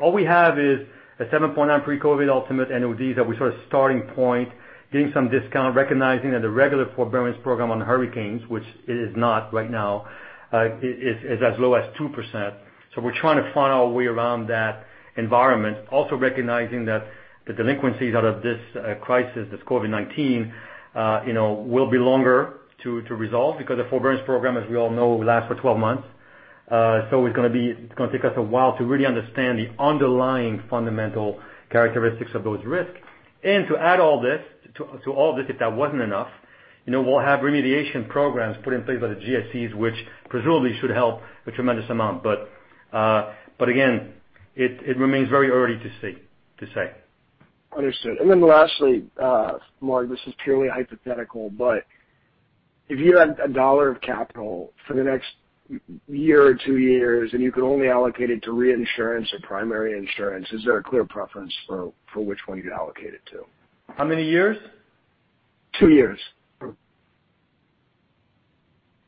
all we have is a 7.9 pre-COVID ultimate NODs that we sort of starting point, getting some discount, recognizing that the regular forbearance program on hurricanes, which it is not right now, is as low as 2%. So we're trying to find our way around that environment, also recognizing that the delinquencies out of this crisis, this COVID-19, will be longer to resolve because the forbearance program, as we all know, lasts for 12 months. So it's going to take us a while to really understand the underlying fundamental characteristics of those risks. And to add all this to all of this, if that wasn't enough, we'll have remediation programs put in place by the GSEs, which presumably should help a tremendous amount. But again, it remains very early to see, to say. Understood. And then lastly, Marc, this is purely hypothetical, but if you had $1 of capital for the next year or two years and you could only allocate it to reinsurance or primary insurance, is there a clear preference for which one you'd allocate it to? How many years? Two years.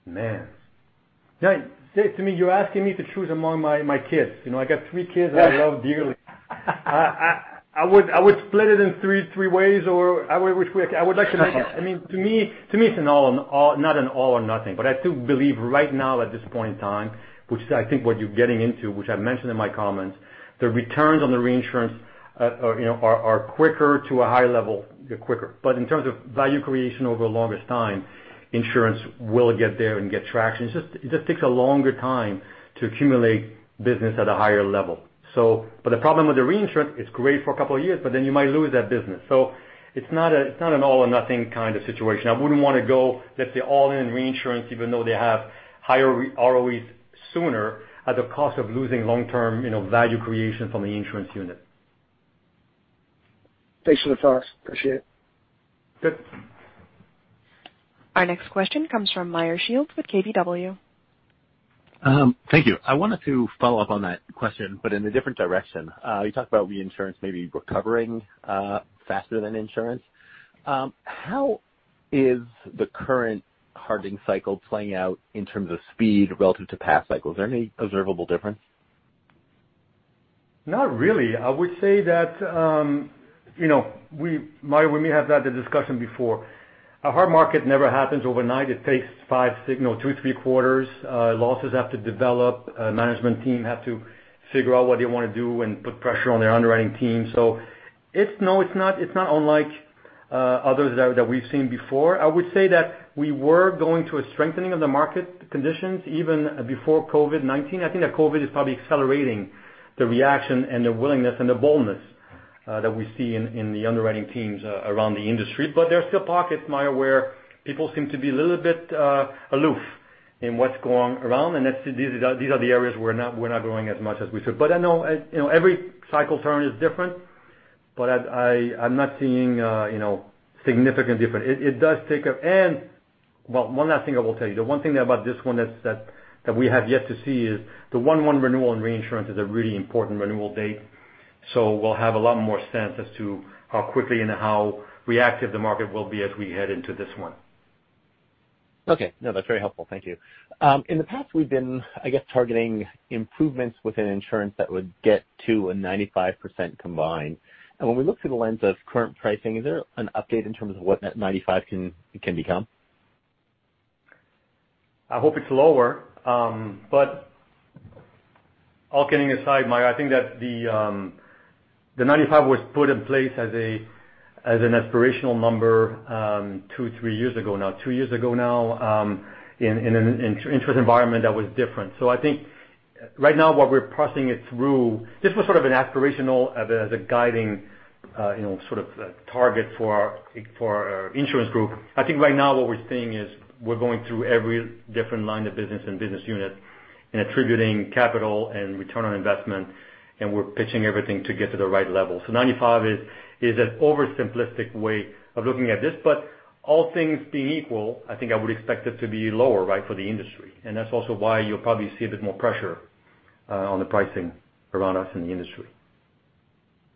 Now, say to me, you're asking me to choose among my kids. I got three kids I love dearly. I would split it in three ways or I would like to make it. I mean, to me, it's not an all or nothing, but I do believe right now at this point in time, which is I think what you're getting into, which I've mentioned in my comments, the returns on the reinsurance are quicker to a higher level, quicker. But in terms of value creation over a longer time, insurance will get there and get traction. It just takes a longer time to accumulate business at a higher level. But the problem with the reinsurance, it's great for a couple of years, but then you might lose that business. So it's not an all or nothing kind of situation. I wouldn't want to go, let's say, all in reinsurance, even though they have higher ROEs sooner at the cost of losing long-term value creation from the insurance unit. Thanks for the thoughts. Appreciate it. Our next question comes from Meyer Shields with KBW. Thank you. I wanted to follow up on that question, but in a different direction. You talked about reinsurance maybe recovering faster than insurance. How is the current hardening cycle playing out in terms of speed relative to past cycles? Is there any observable difference? Not really. I would say that we may have had the discussion before. A hard market never happens overnight. It takes two, three quarters. Losses have to develop. Management team have to figure out what they want to do and put pressure on their underwriting team, so it's not unlike others that we've seen before. I would say that we were going to a strengthening of the market conditions even before COVID-19. I think that COVID is probably accelerating the reaction and the willingness and the boldness that we see in the underwriting teams around the industry, but there are still pockets, I'm aware, people seem to be a little bit aloof in what's going around, and these are the areas we're not going as much as we should, but I know every cycle turn is different, but I'm not seeing significant difference. It does take a, and well, one last thing I will tell you. The one thing about this one that we have yet to see is the one-month renewal in reinsurance is a really important renewal date, so we'll have a lot more sense as to how quickly and how reactive the market will be as we head into this one. Okay. No, that's very helpful. Thank you. In the past, we've been, I guess, targeting improvements within insurance that would get to a 95% combined, and when we look through the lens of current pricing, is there an update in terms of what that 95 can become? I hope it's lower. But all kidding aside, Meyer, I think that the 95 was put in place as an aspirational number two, three years ago, now, two years ago now, in an interest environment that was different. So I think right now what we're parsing it through, this was sort of an aspirational as a guiding sort of target for our insurance group. I think right now what we're seeing is we're going through every different line of business and business unit and attributing capital and return on investment, and we're pitching everything to get to the right level. So 95 is an oversimplistic way of looking at this. But all things being equal, I think I would expect it to be lower, right, for the industry. And that's also why you'll probably see a bit more pressure on the pricing around us in the industry.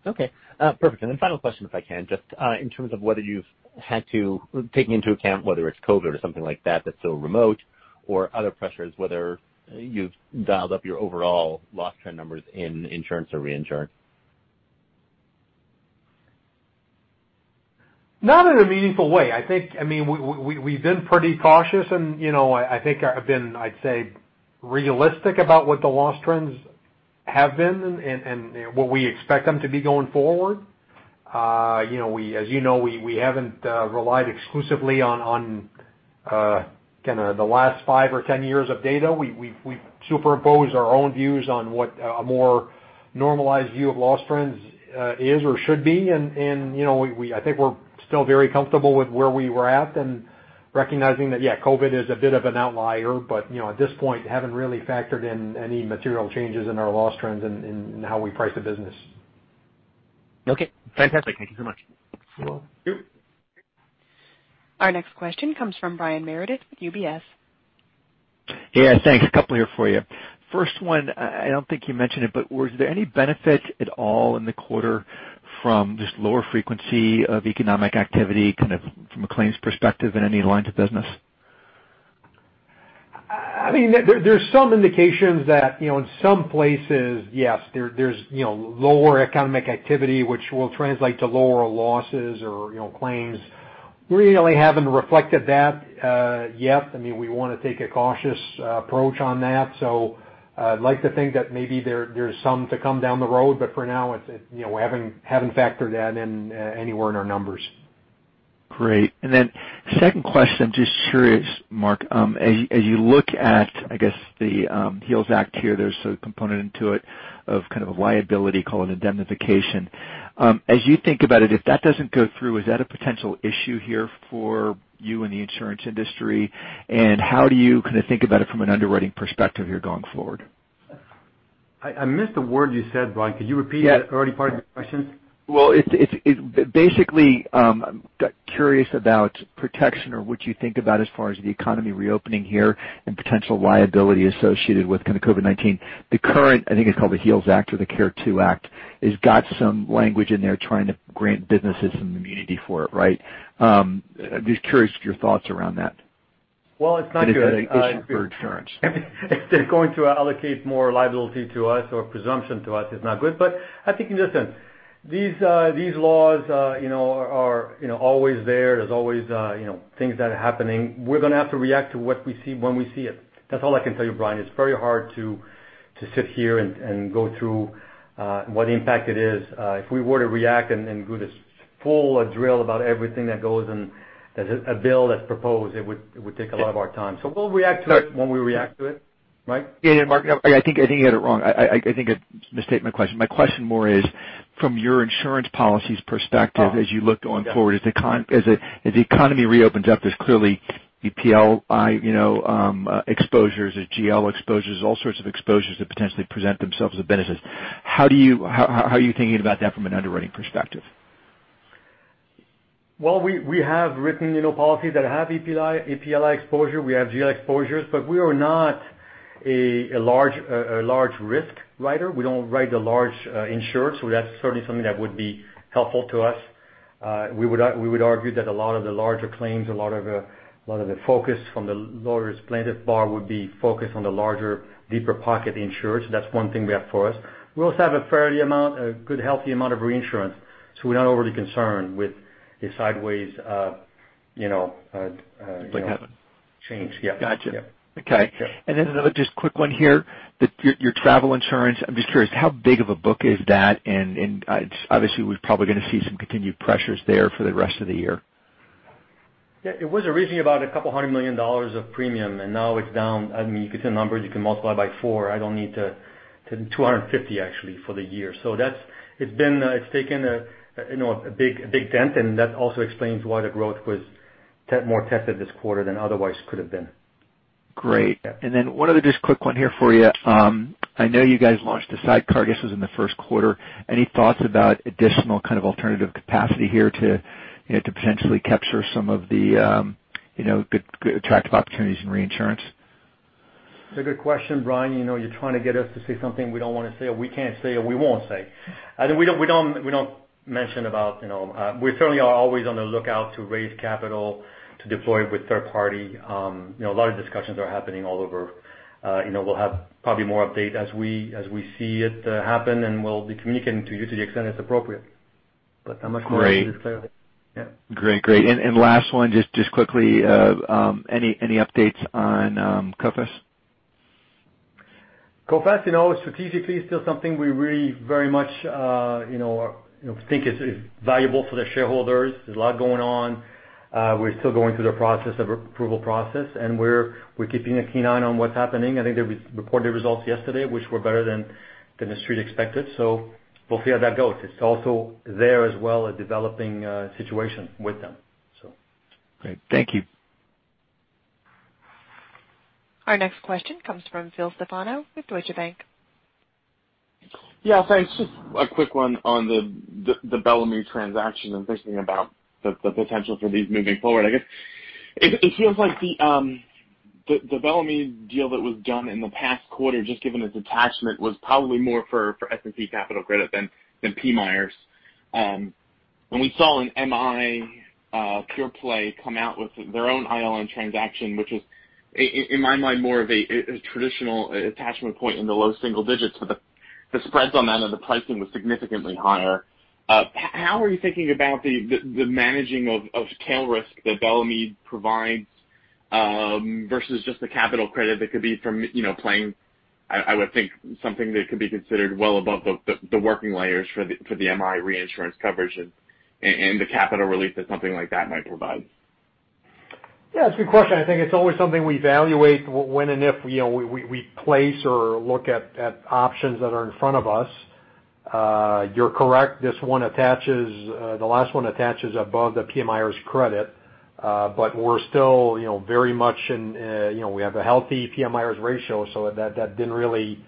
Okay. Perfect. And then final question, if I can, just in terms of whether you've had to take into account whether it's COVID or something like that that's still remote or other pressures, whether you've dialed up your overall loss trend numbers in insurance or reinsurance? Not in a meaningful way. I think, I mean, we've been pretty cautious, and I think I've been, I'd say, realistic about what the loss trends have been and what we expect them to be going forward. As you know, we haven't relied exclusively on kind of the last five or 10 years of data. We've superimposed our own views on what a more normalized view of loss trends is or should be. And I think we're still very comfortable with where we were at and recognizing that, yeah, COVID is a bit of an outlier, but at this point, haven't really factored in any material changes in our loss trends and how we price the business. Okay. Fantastic. Thank you so much. You're welcome. Our next question comes from Brian Meredith with UBS. Yeah. Thanks. A couple here for you. First one, I don't think you mentioned it, but was there any benefit at all in the quarter from this lower frequency of economic activity kind of from a claims perspective in any line of business? I mean, there's some indications that in some places, yes, there's lower economic activity, which will translate to lower losses or claims. We really haven't reflected that yet. I mean, we want to take a cautious approach on that. So I'd like to think that maybe there's some to come down the road, but for now, we haven't factored that in anywhere in our numbers. Great. And then second question, I'm just curious, Marc, as you look at, I guess, the HEALS Act here, there's a component into it of kind of a liability called indemnification. As you think about it, if that doesn't go through, is that a potential issue here for you and the insurance industry? And how do you kind of think about it from an underwriting perspective here going forward? I missed a word you said, Brian. Could you repeat that early part of your question? Basically, I'm curious about protection or what you think about as far as the economy reopening here and potential liability associated with kind of COVID-19. The current, I think it's called the HEALS Act or the CARES Act, has got some language in there trying to grant businesses some immunity for it, right? I'm just curious of your thoughts around that. It's not good for insurance. If they're going to allocate more liability to us or presumption to us, it's not good. But I think in this sense, these laws are always there. There's always things that are happening. We're going to have to react to what we see when we see it. That's all I can tell you, Brian. It's very hard to sit here and go through what impact it is. If we were to react and do this full drill about everything that goes in a bill that's proposed, it would take a lot of our time. So we'll react to it when we react to it, right? Yeah, Mark. I think you had it wrong. I think I misstated my question. My question more is, from your insurance policy's perspective, as you look going forward, as the economy reopens up, there's clearly EPL exposures, there's GL exposures, all sorts of exposures that potentially present themselves as a benefit. How are you thinking about that from an underwriting perspective? We have written policies that have EPL exposure. We have GL exposures, but we are not a large risk writer. We don't write the large insured. So that's certainly something that would be helpful to us. We would argue that a lot of the larger claims, a lot of the focus from the lawyers' plaintiff bar would be focused on the larger, deep-pocket insured. So that's one thing we have for us. We also have a fairly good, healthy amount of reinsurance. So we're not overly concerned with the sideways change. Gotcha. Okay. And then another just quick one here, your travel insurance. I'm just curious, how big of a book is that? And obviously, we're probably going to see some continued pressures there for the rest of the year. Yeah. It was around about $200 million of premium, and now it's down. I mean, you could see the numbers. You can multiply by four. I don't need to $250 million, actually, for the year. So it's taken a big dent, and that also explains why the growth was more tested this quarter than otherwise could have been. Great. And then one other just quick one here for you. I know you guys launched a sidecar, I guess, was in the first quarter. Any thoughts about additional kind of alternative capacity here to potentially capture some of the attractive opportunities in reinsurance? It's a good question, Brian. You're trying to get us to say something we don't want to say or we can't say or we won't say. I think we don't mention about we certainly are always on the lookout to raise capital to deploy with third party. A lot of discussions are happening all over. We'll have probably more update as we see it happen, and we'll be communicating to you to the extent it's appropriate. But I'm not sure if this is clear. Great. Great, and last one, just quickly, any updates on Coface? Coface, strategically, still something we really very much think is valuable for the shareholders. There's a lot going on. We're still going through the approval process, and we're keeping a keen eye on what's happening. I think they reported results yesterday, which were better than the street expected. So we'll see how that goes. It's also there as well, a developing situation with them, so. Great. Thank you. Our next question comes from Phil Stefano with Deutsche Bank. Yeah. Thanks. Just a quick one on the Bellamy transaction and thinking about the potential for these moving forward. I guess it feels like the Bellamy deal that was done in the past quarter, just given its attachment, was probably more for S&P Capital Credit than PMIRS. And we saw an MI PurePlay come out with their own ILN transaction, which is, in my mind, more of a traditional attachment point in the low single digits. But the spreads on that and the pricing was significantly higher. How are you thinking about the managing of tail risk that Bellamy provides versus just the capital credit that could be from playing, I would think, something that could be considered well above the working layers for the MI reinsurance coverage and the capital relief that something like that might provide? Yeah. That's a good question. I think it's always something we evaluate when and if we place or look at options that are in front of us. You're correct. The last one attaches above the PMIERs credit, but we're still very much in that we have a healthy PMIERs ratio, so that didn't really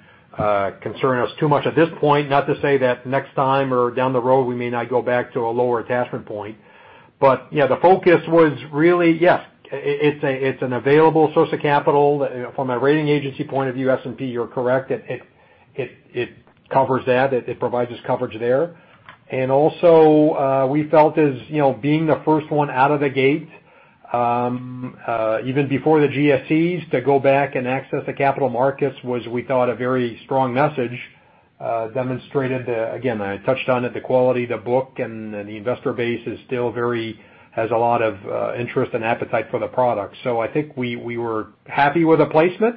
concern us too much at this point. Not to say that next time or down the road, we may not go back to a lower attachment point. But yeah, the focus was really, yes, it's an available source of capital. From a rating agency point of view, S&P, you're correct. It covers that. It provides us coverage there. And also, we felt, as being the first one out of the gate, even before the GSEs, to go back and access the capital markets was, we thought, a very strong message. It demonstrated, again, I touched on it, the quality of the book, and the investor base is still very much has a lot of interest and appetite for the product. So I think we were happy with the placement.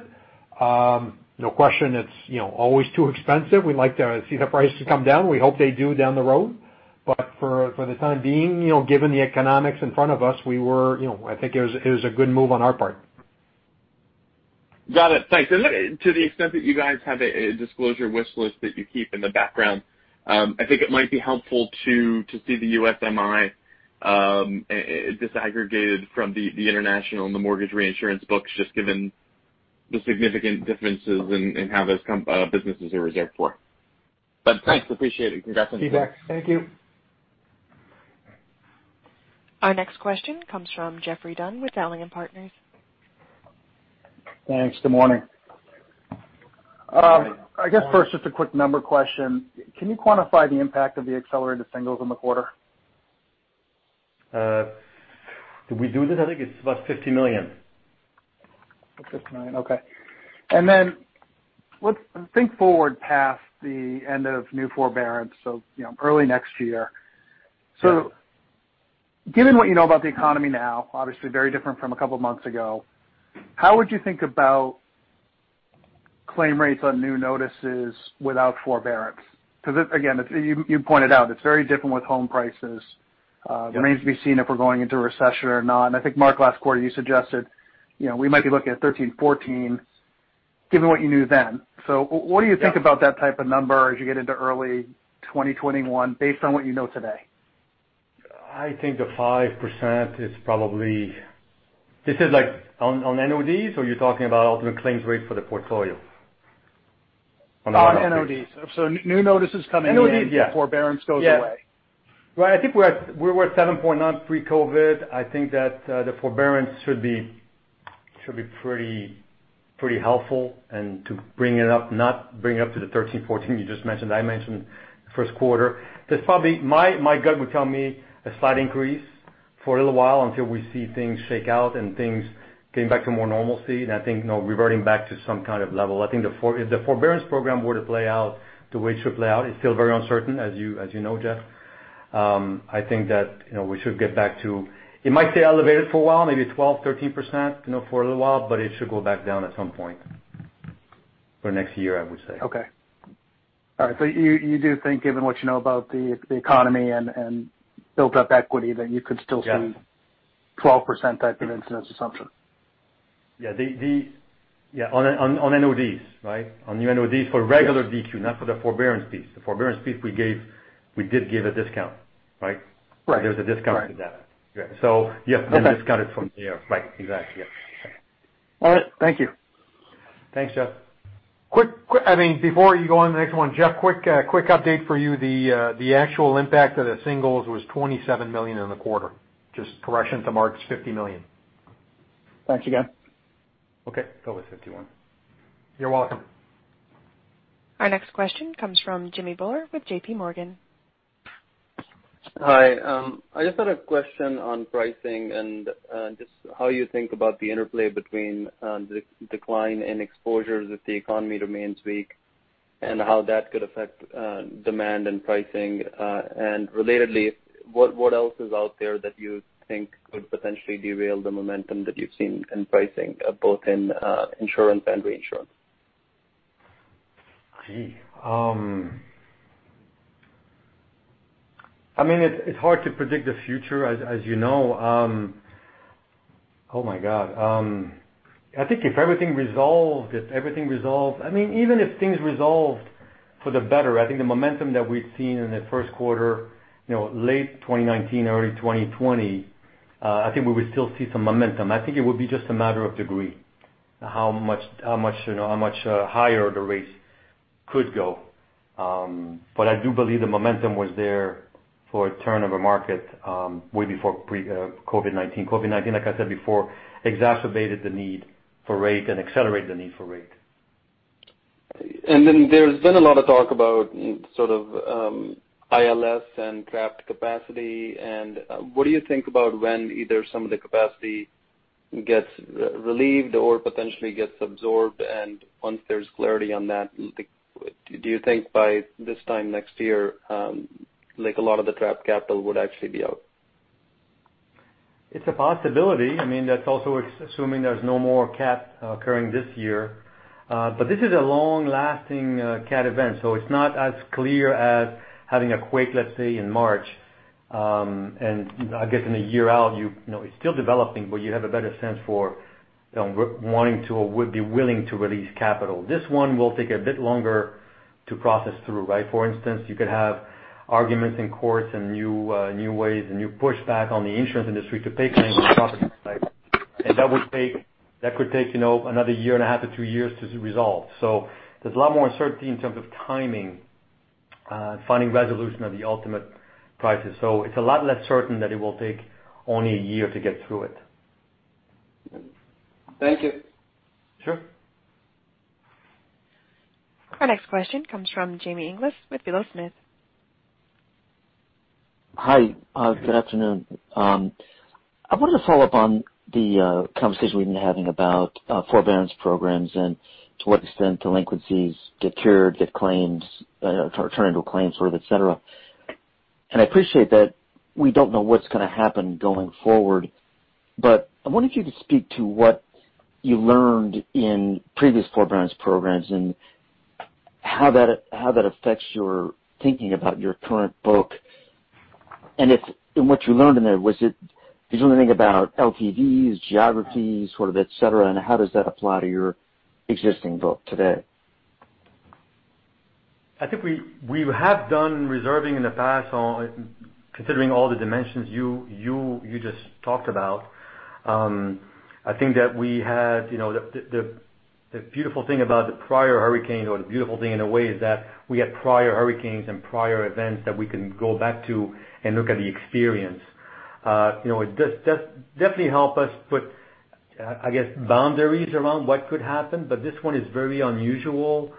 No question, it's always too expensive. We'd like to see the prices come down. We hope they do down the road. But for the time being, given the economics in front of us, we were. I think it was a good move on our part. Got it. Thanks, and to the extent that you guys have a disclosure wish list that you keep in the background, I think it might be helpful to see the USMI disaggregated from the international and the mortgage reinsurance books, just given the significant differences in how those businesses are reserved for, but thanks. Appreciate it. Congratulations. Feedback. Thank you. Our next question comes from Jeffrey Dunn with Dowling & Partners. Thanks. Good morning. I guess first, just a quick number question. Can you quantify the impact of the accelerated singles in the quarter? Did we do this? I think it's about $50 million. $50 million. Okay. And then let's think forward past the end of new forbearance, so early next year. So given what you know about the economy now, obviously very different from a couple of months ago, how would you think about claim rates on new notices without forbearance? Because again, you pointed out it's very different with home prices. It remains to be seen if we're going into a recession or not. And I think, Marc, last quarter, you suggested we might be looking at 13%-14%, given what you knew then. So what do you think about that type of number as you get into early 2021 based on what you know today? I think the 5% is probably this is on NODs, or you're talking about ultimate claims rates for the portfolio? On NODs, so new notices coming in before forbearance goes away. Yeah. Right. I think we were at 7.9% pre-COVID. I think that the forbearance should be pretty helpful, and to bring it up, not bring it up to the 13%-14% you just mentioned. I mentioned the first quarter. My gut would tell me a slight increase for a little while until we see things shake out and things getting back to more normalcy, and I think reverting back to some kind of level. I think if the forbearance program were to play out the way it should play out, it's still very uncertain, as you know, Jeff. I think that we should get back to it. It might stay elevated for a while, maybe 12%-13% for a little while, but it should go back down at some point for the next year, I would say. Okay. All right. So you do think, given what you know about the economy and built-up equity, that you could still see 12% type of incidence assumption? Yeah. Yeah. On NODs, right? On new NODs for regular DQ, not for the forbearance piece. The forbearance piece, we did give a discount, right? Right. There was a discount to that. So yeah, then discounted from there. Right. Exactly. Yes. All right. Thank you. Thanks, Jeff. I mean, before you go on to the next one, Jeff, quick update for you. The actual impact of the singles was $27 million in the quarter. Just correction to Mark, it's $50 million. Thanks again. Okay. That was 51. You're welcome. Our next question comes from Jimmy Bhullar with JPMorgan. Hi. I just had a question on pricing and just how you think about the interplay between decline and exposures if the economy remains weak and how that could affect demand and pricing? And relatedly, what else is out there that you think could potentially derail the momentum that you've seen in pricing, both in insurance and reinsurance? I mean, it's hard to predict the future, as you know. Oh my God. I think if everything resolved, I mean, even if things resolved for the better, I think the momentum that we'd seen in the first quarter, late 2019, early 2020, I think we would still see some momentum. I think it would be just a matter of degree, how much higher the rates could go, but I do believe the momentum was there for a turn of the market way before COVID-19. COVID-19, like I said before, exacerbated the need for rate and accelerated the need for rate. And then there's been a lot of talk about sort of ILS and trapped capacity. And what do you think about when either some of the capacity gets relieved or potentially gets absorbed? And once there's clarity on that, do you think by this time next year, a lot of the trapped capital would actually be out? It's a possibility. I mean, that's also assuming there's no more cap occurring this year, but this is a long-lasting cat event, so it's not as clear as having a quake, let's say, in March, and I guess in a year out, it's still developing, but you have a better sense for wanting to or would be willing to release capital. This one will take a bit longer to process through, right? For instance, you could have arguments in courts and new ways and new pushback on the insurance industry to pay claims on property damage, and that could take another year and a half to two years to resolve, so there's a lot more uncertainty in terms of timing, finding resolution of the ultimate losses, so it's a lot less certain that it will take only a year to get through it. Thank you. Sure. Our next question comes from Jimmy Nielson with Wells Fargo. Hi. Good afternoon. I wanted to follow up on the conversation we've been having about forbearance programs and to what extent delinquencies get cured, get claims, turn into a claim sort of, etc., and I appreciate that we don't know what's going to happen going forward, but I wonder if you could speak to what you learned in previous forbearance programs and how that affects your thinking about your current book, and what you learned in there, did you learn anything about LTVs, geographies, sort of, etc., and how does that apply to your existing book today? I think we have done reserving in the past, considering all the dimensions you just talked about. I think that we had the beautiful thing about the prior hurricane or the beautiful thing in a way is that we had prior hurricanes and prior events that we can go back to and look at the experience. It does definitely help us put, I guess, boundaries around what could happen. But this one is very unusual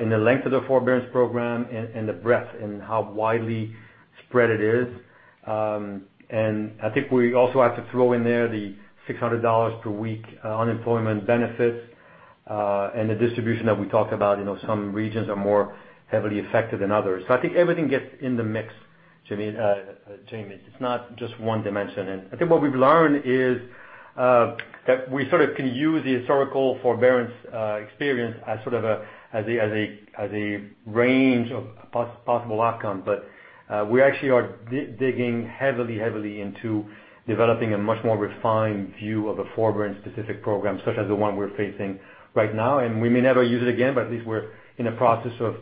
in the length of the forbearance program and the breadth and how widely spread it is. And I think we also have to throw in there the $600 per week unemployment benefits and the distribution that we talked about. Some regions are more heavily affected than others. So I think everything gets in the mix, Jamie. It's not just one dimension. I think what we've learned is that we sort of can use the historical forbearance experience as sort of a range of possible outcomes. We actually are digging heavily, heavily into developing a much more refined view of a forbearance-specific program such as the one we're facing right now. We may never use it again, but at least we're in the process of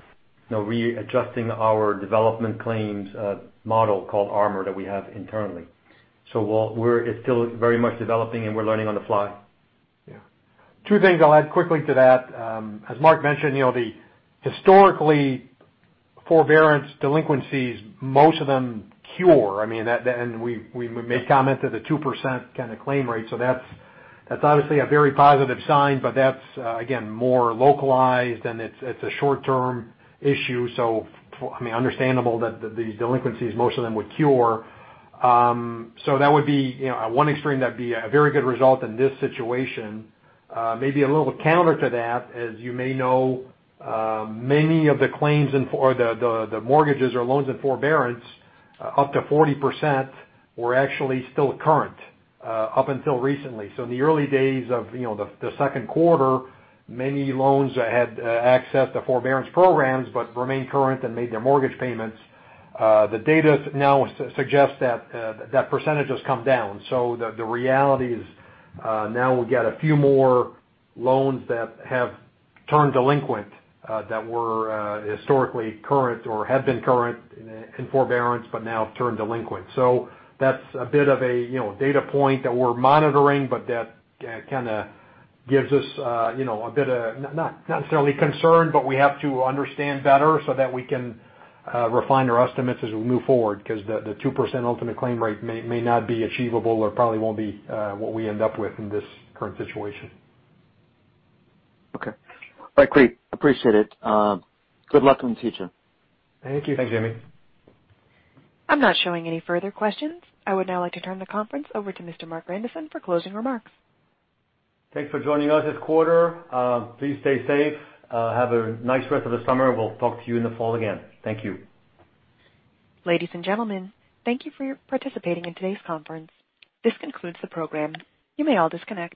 readjusting our development claims model called ARM that we have internally. We're still very much developing, and we're learning on the fly. Yeah. Two things I'll add quickly to that. As Mark mentioned, historically, forbearance delinquencies, most of them cure. I mean, and we made comment that the 2% kind of claim rate. So that's obviously a very positive sign, but that's, again, more localized, and it's a short-term issue. So I mean, understandable that these delinquencies, most of them would cure. So that would be, on one extreme, that'd be a very good result in this situation. Maybe a little counter to that, as you may know, many of the claims or the mortgages or loans in forbearance, up to 40%, were actually still current up until recently. So in the early days of the second quarter, many loans that had access to forbearance programs but remained current and made their mortgage payments, the data now suggests that that percentage has come down. The reality is now we got a few more loans that have turned delinquent that were historically current or had been current in forbearance but now turned delinquent. That's a bit of a data point that we're monitoring, but that kind of gives us a bit of not necessarily concern, but we have to understand better so that we can refine our estimates as we move forward because the 2% ultimate claim rate may not be achievable or probably won't be what we end up with in this current situation. Okay. All right. Great. Appreciate it. Good luck in the future. Thank you. Thanks, James. I'm not showing any further questions. I would now like to turn the conference over to Mr. Mark Grandisson for closing remarks. Thanks for joining us this quarter. Please stay safe. Have a nice rest of the summer, and we'll talk to you in the fall again. Thank you. Ladies and gentlemen, thank you for participating in today's conference. This concludes the program. You may all disconnect.